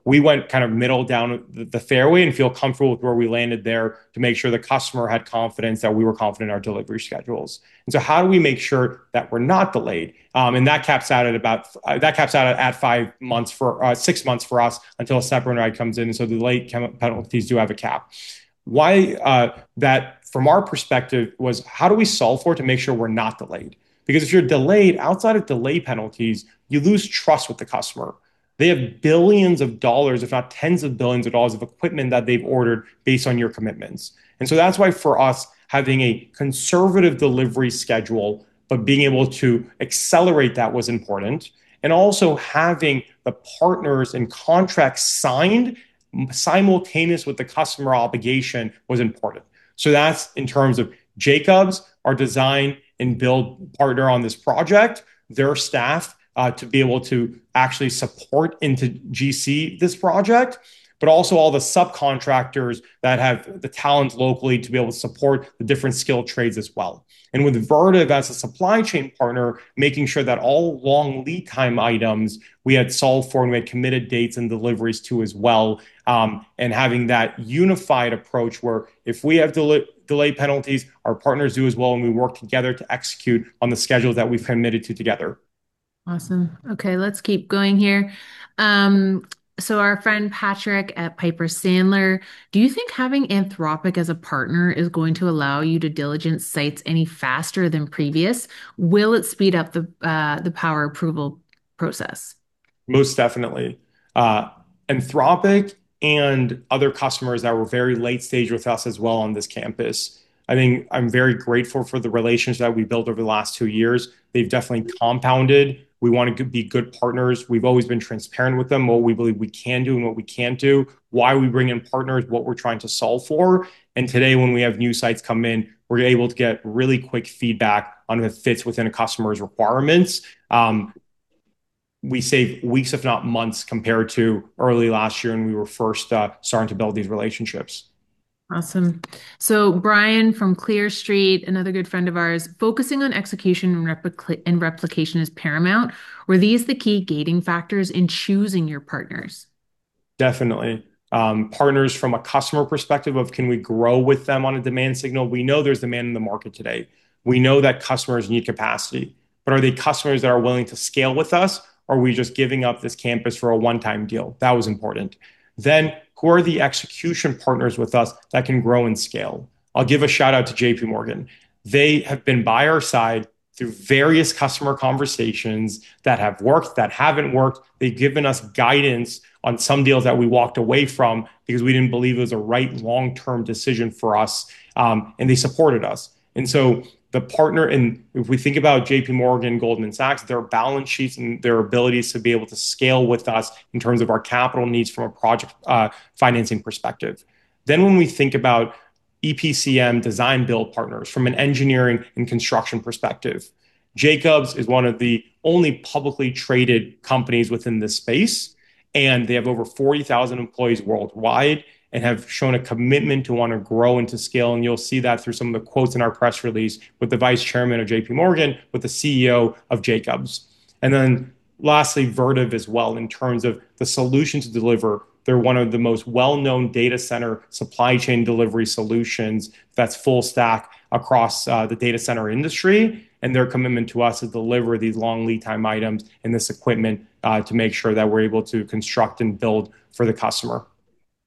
[SPEAKER 2] We went kind of middle down the fairway and feel comfortable with where we landed there to make sure the customer had confidence that we were confident in our delivery schedules. How do we make sure that we're not delayed? That caps out at about five months for six months for us until a separate right comes in. The delay penalties do have a cap. Why that from our perspective was how do we solve for it to make sure we're not delayed? Because if you're delayed outside of delay penalties, you lose trust with the customer. They have billions of dollars, if not tens of billions of dollars of equipment that they've ordered based on your commitments. And so that's why for us, having a conservative delivery schedule, but being able to accelerate that was important. And also having the partners and contracts signed simultaneous with the customer obligation was important. So that's in terms of Jacobs, our design and build partner on this project, their staff to be able to actually support into GC this project, but also all the subcontractors that have the talent locally to be able to support the different skilled trades as well. With Vertiv as a supply chain partner, making sure that all long lead time items we had solved for and we had committed dates and deliveries to as well, and having that unified approach where if we have delay penalties, our partners do as well, and we work together to execute on the schedules that we've committed to together.
[SPEAKER 1] Awesome. Okay, let's keep going here. So our friend Patrick at Piper Sandler, do you think having Anthropic as a partner is going to allow you to diligence sites any faster than previous? Will it speed up the power approval process?
[SPEAKER 2] Most definitely. Anthropic and other customers that were very late stage with us as well on this campus. I think I'm very grateful for the relationship that we built over the last two years. They've definitely compounded. We want to be good partners. We've always been transparent with them, what we believe we can do and what we can't do, why we bring in partners, what we're trying to solve for. And today, when we have new sites come in, we're able to get really quick feedback on if it fits within a customer's requirements. We save weeks, if not months, compared to early last year when we were first starting to build these relationships.
[SPEAKER 1] Awesome. So Brian from Clear Street, another good friend of ours, focusing on execution and replication is paramount. Were these the key gating factors in choosing your partners?
[SPEAKER 2] Definitely. Partners from a customer perspective of can we grow with them on a demand signal? We know there's demand in the market today. We know that customers need capacity. But are they customers that are willing to scale with us, or are we just giving up this campus for a one-time deal? That was important. Then who are the execution partners with us that can grow and scale? I'll give a shout out to JP Morgan. They have been by our side through various customer conversations that have worked, that haven't worked. They've given us guidance on some deals that we walked away from because we didn't believe it was a right long-term decision for us, and they supported us. And so the partner, and if we think about JPMorgan, Goldman Sachs, their balance sheets and their abilities to be able to scale with us in terms of our capital needs from a project financing perspective. Then when we think about EPCM design build partners from an engineering and construction perspective, Jacobs is one of the only publicly traded companies within this space, and they have over 40,000 employees worldwide and have shown a commitment to want to grow and to scale. And you'll see that through some of the quotes in our press release with the vice chairman of JPMorgan, with the CEO of Jacobs. And then lastly, Vertiv as well in terms of the solutions to deliver. They're one of the most well-known data center supply chain delivery solutions that's full stack across the data center industry, and their commitment to us to deliver these long lead time items and this equipment to make sure that we're able to construct and build for the customer.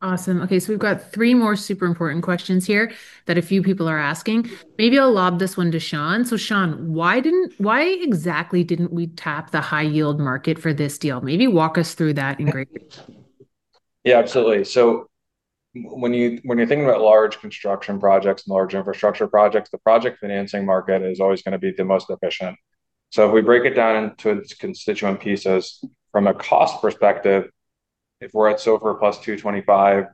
[SPEAKER 1] Awesome. Okay, so we've got three more super important questions here that a few people are asking. Maybe I'll lob this one to Sean. So Sean, why exactly didn't we tap the high-yield market for this deal? Maybe walk us through that in great detail.
[SPEAKER 3] Yeah, absolutely. So when you're thinking about large construction projects and large infrastructure projects, the project financing market is always going to be the most efficient. So if we break it down into its constituent pieces, from a cost perspective, if we're at SOFR plus 225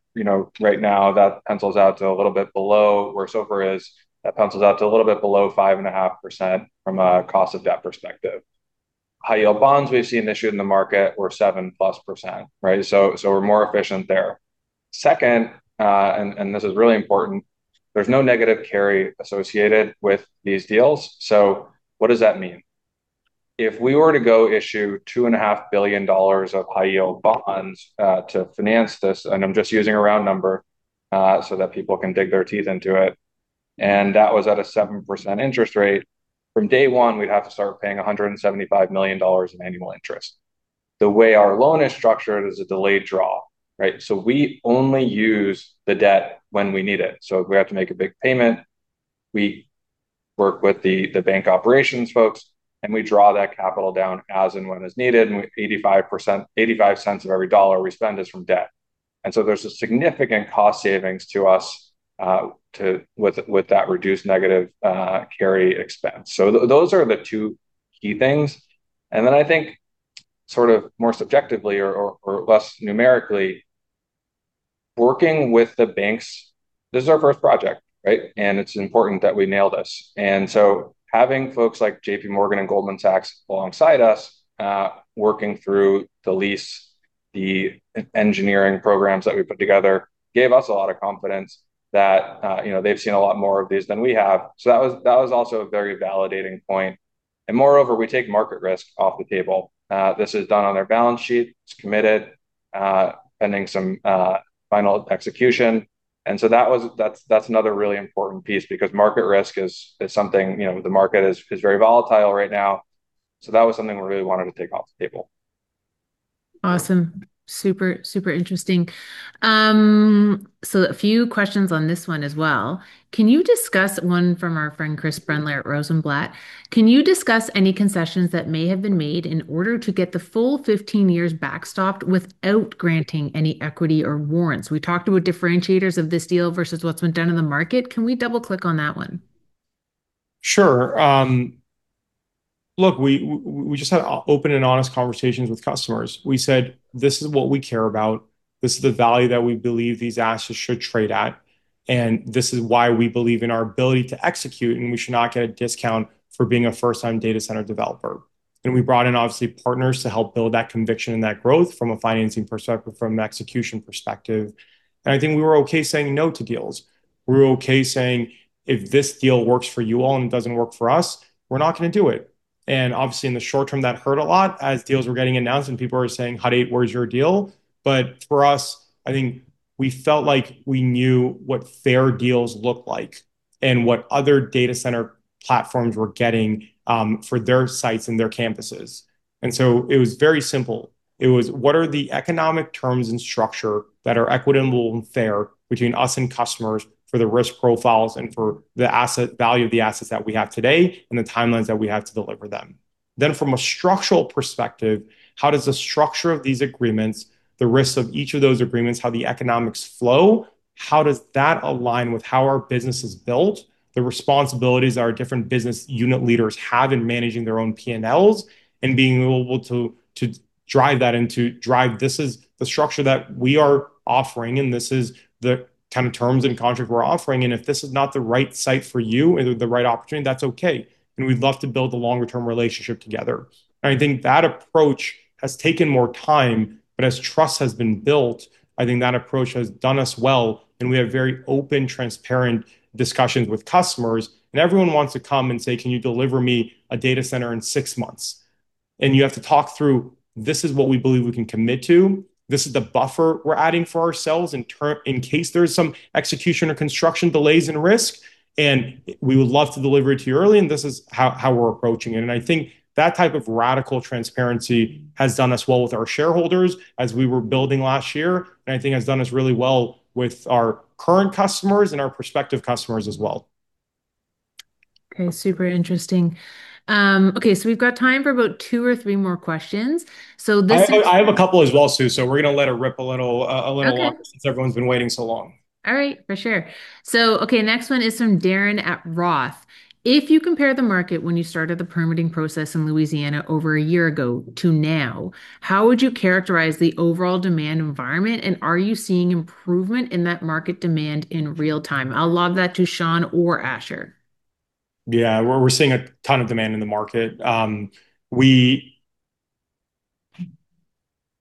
[SPEAKER 3] right now, that pencils out to a little bit below where SOFR is. That pencils out to a little bit below 5.5% from a cost of debt perspective. High-yield bonds we've seen issue in the market were 7% plus, right? So we're more efficient there. Second, and this is really important, there's no negative carry associated with these deals. So what does that mean? If we were to go issue $2.5 billion of high-yield bonds to finance this, and I'm just using a round number so that people can dig their teeth into it, and that was at a 7% interest rate, from day one, we'd have to start paying $175 million in annual interest. The way our loan is structured is a delayed draw, right? So we only use the debt when we need it. So if we have to make a big payment, we work with the bank operations folks, and we draw that capital down as and when as needed. 85 cents of every dollar we spend is from debt. And so there's a significant cost savings to us with that reduced negative carry expense. So those are the two key things. And then I think sort of more subjectively or less numerically, working with the banks, this is our first project, right? And it's important that we nail this. And so having folks like JPMorgan and Goldman Sachs alongside us working through the lease, the engineering programs that we put together gave us a lot of confidence that they've seen a lot more of these than we have. So that was also a very validating point. And moreover, we take market risk off the table. This is done on their balance sheet. It's committed, pending some final execution. And so that's another really important piece because market risk is something the market is very volatile right now. So that was something we really wanted to take off the table.
[SPEAKER 1] Awesome. Super, super interesting. So a few questions on this one as well. Can you discuss one from our friend Chris Brendler at Rosenblatt? Can you discuss any concessions that may have been made in order to get the full 15 years backstopped without granting any equity or warrants? We talked about differentiators of this deal versus what's been done in the market. Can we double-click on that one?
[SPEAKER 2] Sure. Look, we just had open and honest conversations with customers. We said, "This is what we care about. This is the value that we believe these assets should trade at. And this is why we believe in our ability to execute, and we should not get a discount for being a first-time data center developer." And we brought in, obviously, partners to help build that conviction and that growth from a financing perspective, from an execution perspective. And I think we were okay saying no to deals. We were okay saying, "If this deal works for you all and it doesn't work for us, we're not going to do it," and obviously, in the short term, that hurt a lot as deals were getting announced and people were saying, "Hut 8, where's your deal?," but for us, I think we felt like we knew what fair deals looked like and what other data center platforms were getting for their sites and their campuses, and so it was very simple. It was, "What are the economic terms and structure that are equitable and fair between us and customers for the risk profiles and for the asset value of the assets that we have today and the timelines that we have to deliver them?" Then from a structural perspective, how does the structure of these agreements, the risks of each of those agreements, how the economics flow, how does that align with how our business is built, the responsibilities that our different business unit leaders have in managing their own P&Ls and being able to drive that into, "This is the structure that we are offering, and this is the kind of terms and contract we're offering. And if this is not the right site for you or the right opportunity, that's okay. And we'd love to build a longer-term relationship together." And I think that approach has taken more time, but as trust has been built, I think that approach has done us well. And we have very open, transparent discussions with customers. And everyone wants to come and say, "Can you deliver me a data center in six months?" And you have to talk through, "This is what we believe we can commit to. This is the buffer we're adding for ourselves in case there's some execution or construction delays and risk. And we would love to deliver it to you early. And this is how we're approaching it." And I think that type of radical transparency has done us well with our shareholders as we were building last year. And I think has done us really well with our current customers and our prospective customers as well.
[SPEAKER 1] Okay, super interesting. Okay, so we've got time for about two or three more questions. So this is.
[SPEAKER 2] I have a couple as well, Sue. So we're going to let it rip a little since everyone's been waiting so long.
[SPEAKER 1] All right, for sure. So okay, next one is from Darren at Roth. "If you compare the market when you started the permitting process in Louisiana over a year ago to now, how would you characterize the overall demand environment? And are you seeing improvement in that market demand in real time?" I'll lob that to Sean or Asher.
[SPEAKER 2] Yeah, we're seeing a ton of demand in the market.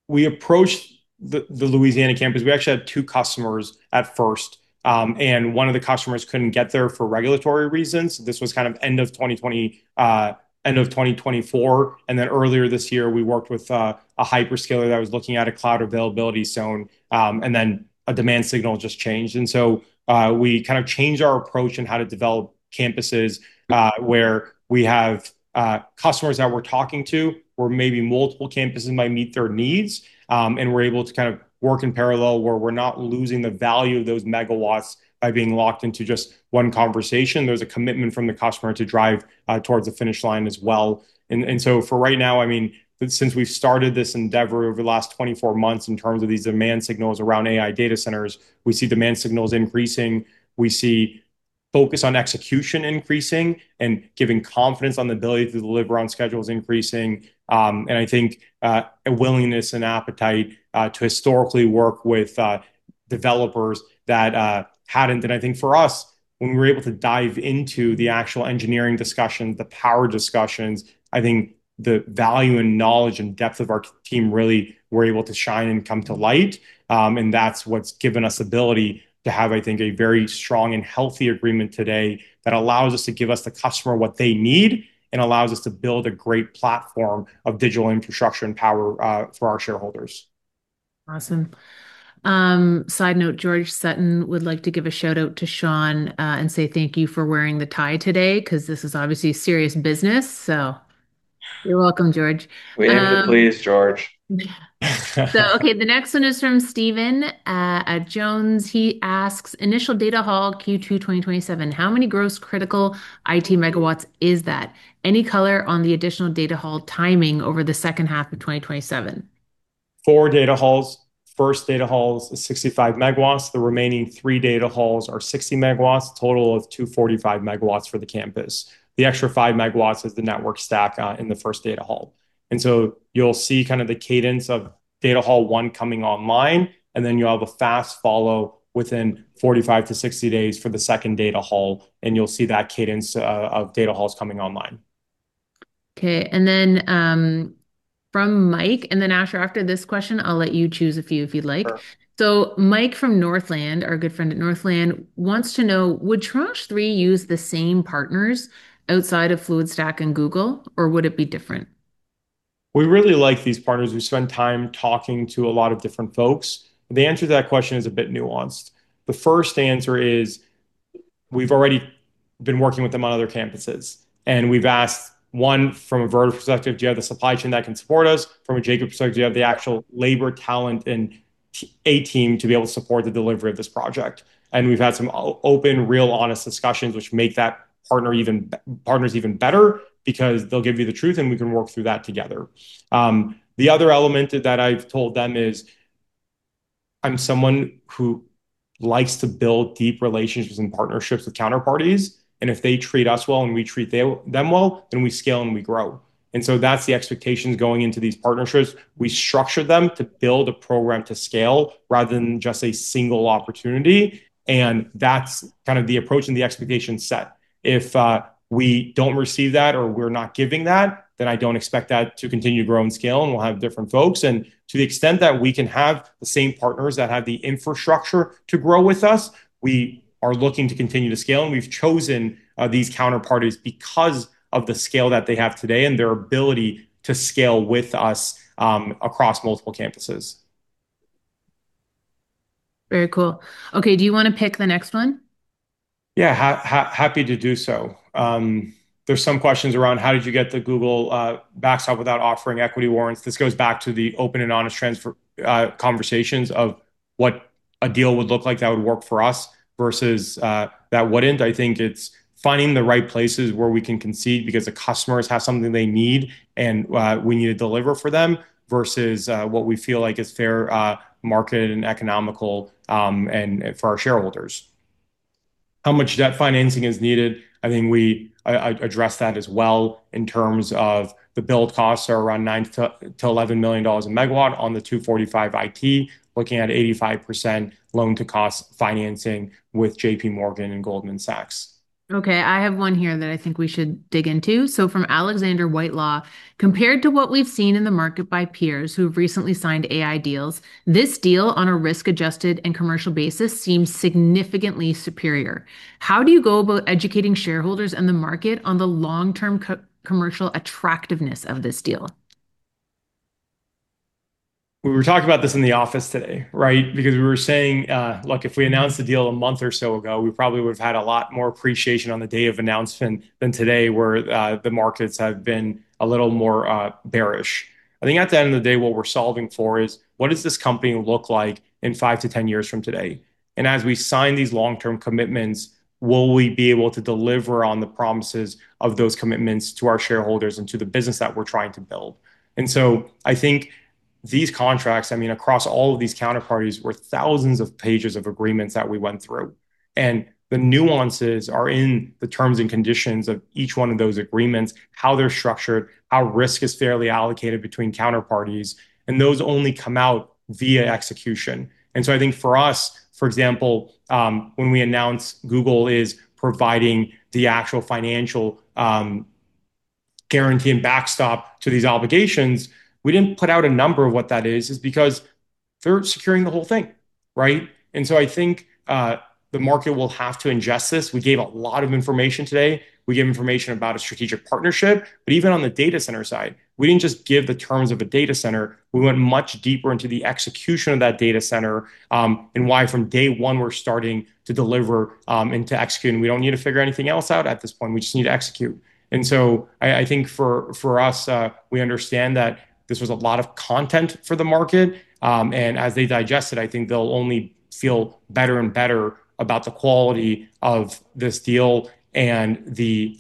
[SPEAKER 2] We approached the Louisiana campus. We actually had two customers at first, and one of the customers couldn't get there for regulatory reasons. This was kind of end of 2024, and then earlier this year, we worked with a hyperscaler that was looking at a cloud availability zone, and then a demand signal just changed, and so we kind of changed our approach in how to develop campuses where we have customers that we're talking to where maybe multiple campuses might meet their needs, and we're able to kind of work in parallel where we're not losing the value of those megawatts by being locked into just one conversation. There's a commitment from the customer to drive towards the finish line as well. And so for right now, I mean, since we've started this endeavor over the last 24 months in terms of these demand signals around AI data centers, we see demand signals increasing. We see focus on execution increasing and giving confidence on the ability to deliver on schedules increasing. And I think a willingness and appetite to historically work with developers that hadn't. And I think for us, when we were able to dive into the actual engineering discussions, the power discussions, I think the value and knowledge and depth of our team really were able to shine and come to light. And that's what's given us ability to have, I think, a very strong and healthy agreement today that allows us to give the customer what they need and allows us to build a great platform of digital infrastructure and power for our shareholders.
[SPEAKER 1] Awesome. Side note, George Sutton would like to give a shout-out to Sean and say thank you for wearing the tie today because this is obviously serious business. So you're welcome, George.
[SPEAKER 3] We have to please, George.
[SPEAKER 1] Okay, the next one is from Steven at Jones. He asks, "Initial data hall Q2 2027, how many gross critical IT megawatts is that? Any color on the additional data hall timing over the second half of 2027?
[SPEAKER 2] Four data halls. First data hall is 65 megawatts. The remaining three data halls are 60 megawatts, total of 245 megawatts for the campus. The extra 5 megawatts is the network stack in the first data hall. And so you'll see kind of the cadence of data hall one coming online, and then you'll have a fast follow within 45-60 days for the second data hall. And you'll see that cadence of data halls coming online.
[SPEAKER 1] Okay. And then from Mike. And then Asher, after this question, I'll let you choose a few if you'd like. So Mike from Northland, our good friend at Northland, wants to know, "Would Tranche 3 use the same partners outside of FluidStack and Google, or would it be different?
[SPEAKER 2] We really like these partners. We spend time talking to a lot of different folks. The answer to that question is a bit nuanced. The first answer is we've already been working with them on other campuses, and we've asked one from a Vertiv perspective, "Do you have the supply chain that can support us?" From a Jacobs perspective, "Do you have the actual labor, talent, and a team to be able to support the delivery of this project?" and we've had some open, real, honest discussions, which make that partner even better because they'll give you the truth, and we can work through that together. The other element that I've told them is I'm someone who likes to build deep relationships and partnerships with counterparties, and if they treat us well and we treat them well, then we scale and we grow. And so that's the expectations going into these partnerships. We structure them to build a program to scale rather than just a single opportunity. And that's kind of the approach and the expectation set. If we don't receive that or we're not giving that, then I don't expect that to continue to grow and scale, and we'll have different folks. And to the extent that we can have the same partners that have the infrastructure to grow with us, we are looking to continue to scale. And we've chosen these counterparties because of the scale that they have today and their ability to scale with us across multiple campuses.
[SPEAKER 1] Very cool. Okay, do you want to pick the next one?
[SPEAKER 2] Yeah, happy to do so. There's some questions around how did you get the Google backstop without offering equity warrants? This goes back to the open and honest conversations of what a deal would look like that would work for us versus that wouldn't. I think it's finding the right places where we can concede because the customers have something they need and we need to deliver for them versus what we feel like is fair market and economical for our shareholders. How much debt financing is needed? I think we address that as well in terms of the build costs are around $9-$11 million a megawatt on the 245 IT, looking at 85% loan-to-cost financing with JPMorgan and Goldman Sachs.
[SPEAKER 1] Okay, I have one here that I think we should dig into, so from Alexander Whitelaw, "Compared to what we've seen in the market by peers who have recently signed AI deals, this deal on a risk-adjusted and commercial basis seems significantly superior. How do you go about educating shareholders and the market on the long-term commercial attractiveness of this deal?
[SPEAKER 2] We were talking about this in the office today, right? Because we were saying, "Look, if we announced the deal a month or so ago, we probably would have had a lot more appreciation on the day of announcement than today where the markets have been a little more bearish." I think at the end of the day, what we're solving for is what does this company look like in five to 10 years from today? And as we sign these long-term commitments, will we be able to deliver on the promises of those commitments to our shareholders and to the business that we're trying to build? And so I think these contracts, I mean, across all of these counterparties, were thousands of pages of agreements that we went through. The nuances are in the terms and conditions of each one of those agreements, how they're structured, how risk is fairly allocated between counterparties. Those only come out via execution. So I think for us, for example, when we announced Google is providing the actual financial guarantee and backstop to these obligations, we didn't put out a number of what that is because they're securing the whole thing, right? So I think the market will have to ingest this. We gave a lot of information today. We gave information about a strategic partnership. But even on the data center side, we didn't just give the terms of a data center. We went much deeper into the execution of that data center and why from day one we're starting to deliver and to execute. We don't need to figure anything else out at this point. We just need to execute. So I think for us, we understand that this was a lot of content for the market. As they digest it, I think they'll only feel better and better about the quality of this deal and the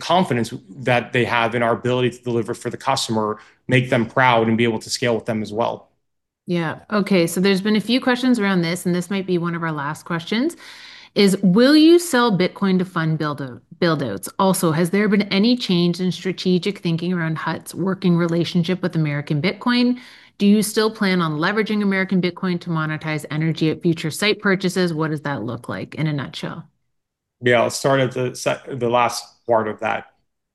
[SPEAKER 2] confidence that they have in our ability to deliver for the customer, make them proud, and be able to scale with them as well.
[SPEAKER 1] Yeah. Okay. So there's been a few questions around this, and this might be one of our last questions. "Will you sell Bitcoin to fund build-outs? Also, has there been any change in strategic thinking around Hut's working relationship with American Bitcoin? Do you still plan on leveraging American Bitcoin to monetize energy at future site purchases? What does that look like in a nutshell?
[SPEAKER 2] Yeah, I'll start at the last part of that.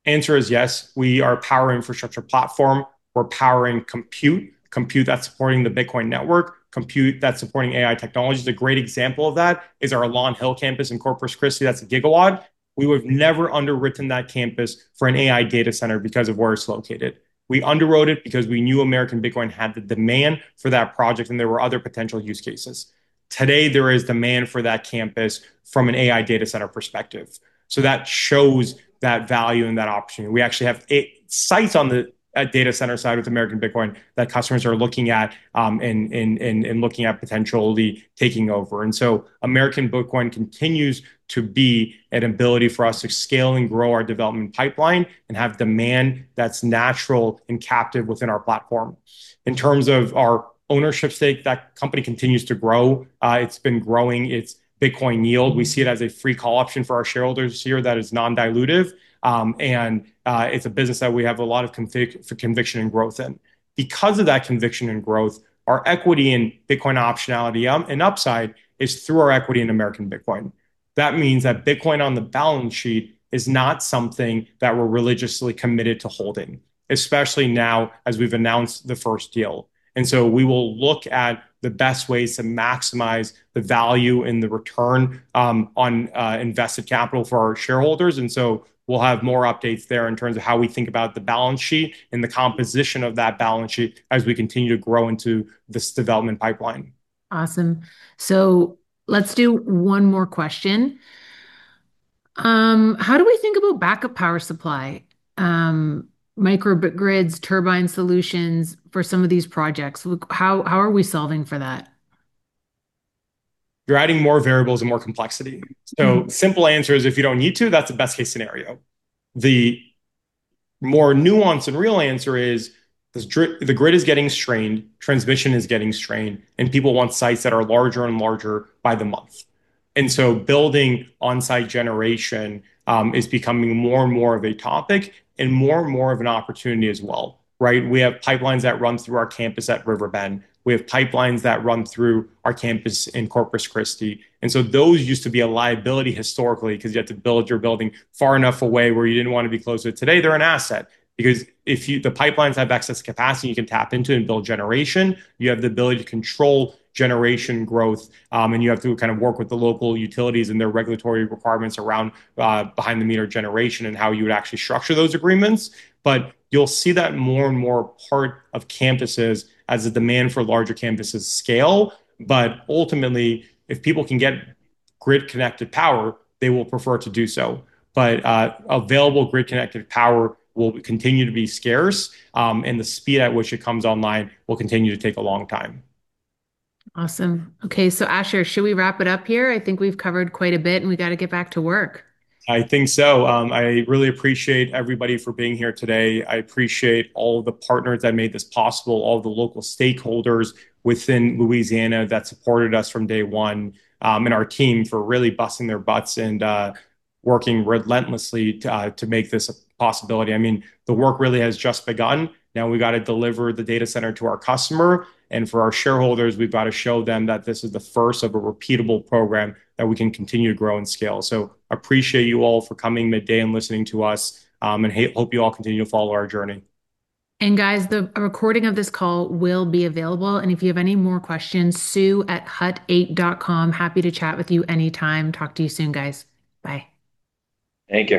[SPEAKER 2] Answer is yes. We are a power infrastructure platform. We're powering compute, compute that's supporting the Bitcoin network, compute that's supporting AI technologies. A great example of that is our Long Hill campus in Corpus Christi. That's a gigawatt. We would have never underwritten that campus for an AI data center because of where it's located. We underwrote it because we knew American Bitcoin had the demand for that project, and there were other potential use cases. Today, there is demand for that campus from an AI data center perspective. So that shows that value and that opportunity. We actually have eight sites on the data center side with American Bitcoin that customers are looking at and looking at potentially taking over. And so American Bitcoin continues to be an ability for us to scale and grow our development pipeline and have demand that's natural and captive within our platform. In terms of our ownership stake, that company continues to grow. It's been growing its Bitcoin yield. We see it as a free call option for our shareholders here that is non-dilutive. And it's a business that we have a lot of conviction and growth in. Because of that conviction and growth, our equity in Bitcoin optionality and upside is through our equity in American Bitcoin. That means that Bitcoin on the balance sheet is not something that we're religiously committed to holding, especially now as we've announced the first deal. And so we will look at the best ways to maximize the value and the return on invested capital for our shareholders. And so we'll have more updates there in terms of how we think about the balance sheet and the composition of that balance sheet as we continue to grow into this development pipeline.
[SPEAKER 1] Awesome. So let's do one more question. "How do we think about backup power supply, micro grids, turbine solutions for some of these projects? How are we solving for that?
[SPEAKER 2] You're adding more variables and more complexity. So simple answer is if you don't need to, that's the best case scenario. The more nuanced and real answer is the grid is getting strained, transmission is getting strained, and people want sites that are larger and larger by the month. And so building on-site generation is becoming more and more of a topic and more and more of an opportunity as well, right? We have pipelines that run through our campus at Riverbend. We have pipelines that run through our campus in Corpus Christi. And so those used to be a liability historically because you had to build your building far enough away where you didn't want to be close to it. Today, they're an asset because if the pipelines have access to capacity, you can tap into it and build generation. You have the ability to control generation growth, and you have to kind of work with the local utilities and their regulatory requirements around behind-the-meter generation and how you would actually structure those agreements. But you'll see that more and more a part of campuses as the demand for larger campuses scale. But ultimately, if people can get grid-connected power, they will prefer to do so. But available grid-connected power will continue to be scarce, and the speed at which it comes online will continue to take a long time.
[SPEAKER 1] Awesome. Okay. So Asher, should we wrap it up here? I think we've covered quite a bit, and we got to get back to work.
[SPEAKER 2] I think so. I really appreciate everybody for being here today. I appreciate all the partners that made this possible, all the local stakeholders within Louisiana that supported us from day one and our team for really busting their butts and working relentlessly to make this a possibility. I mean, the work really has just begun. Now we got to deliver the data center to our customer, and for our shareholders, we've got to show them that this is the first of a repeatable program that we can continue to grow and scale, so I appreciate you all for coming midday and listening to us, and hope you all continue to follow our journey.
[SPEAKER 1] Guys, the recording of this call will be available. If you have any more questions, sue@hut8.com. Happy to chat with you anytime. Talk to you soon, guys. Bye.
[SPEAKER 3] Thank you.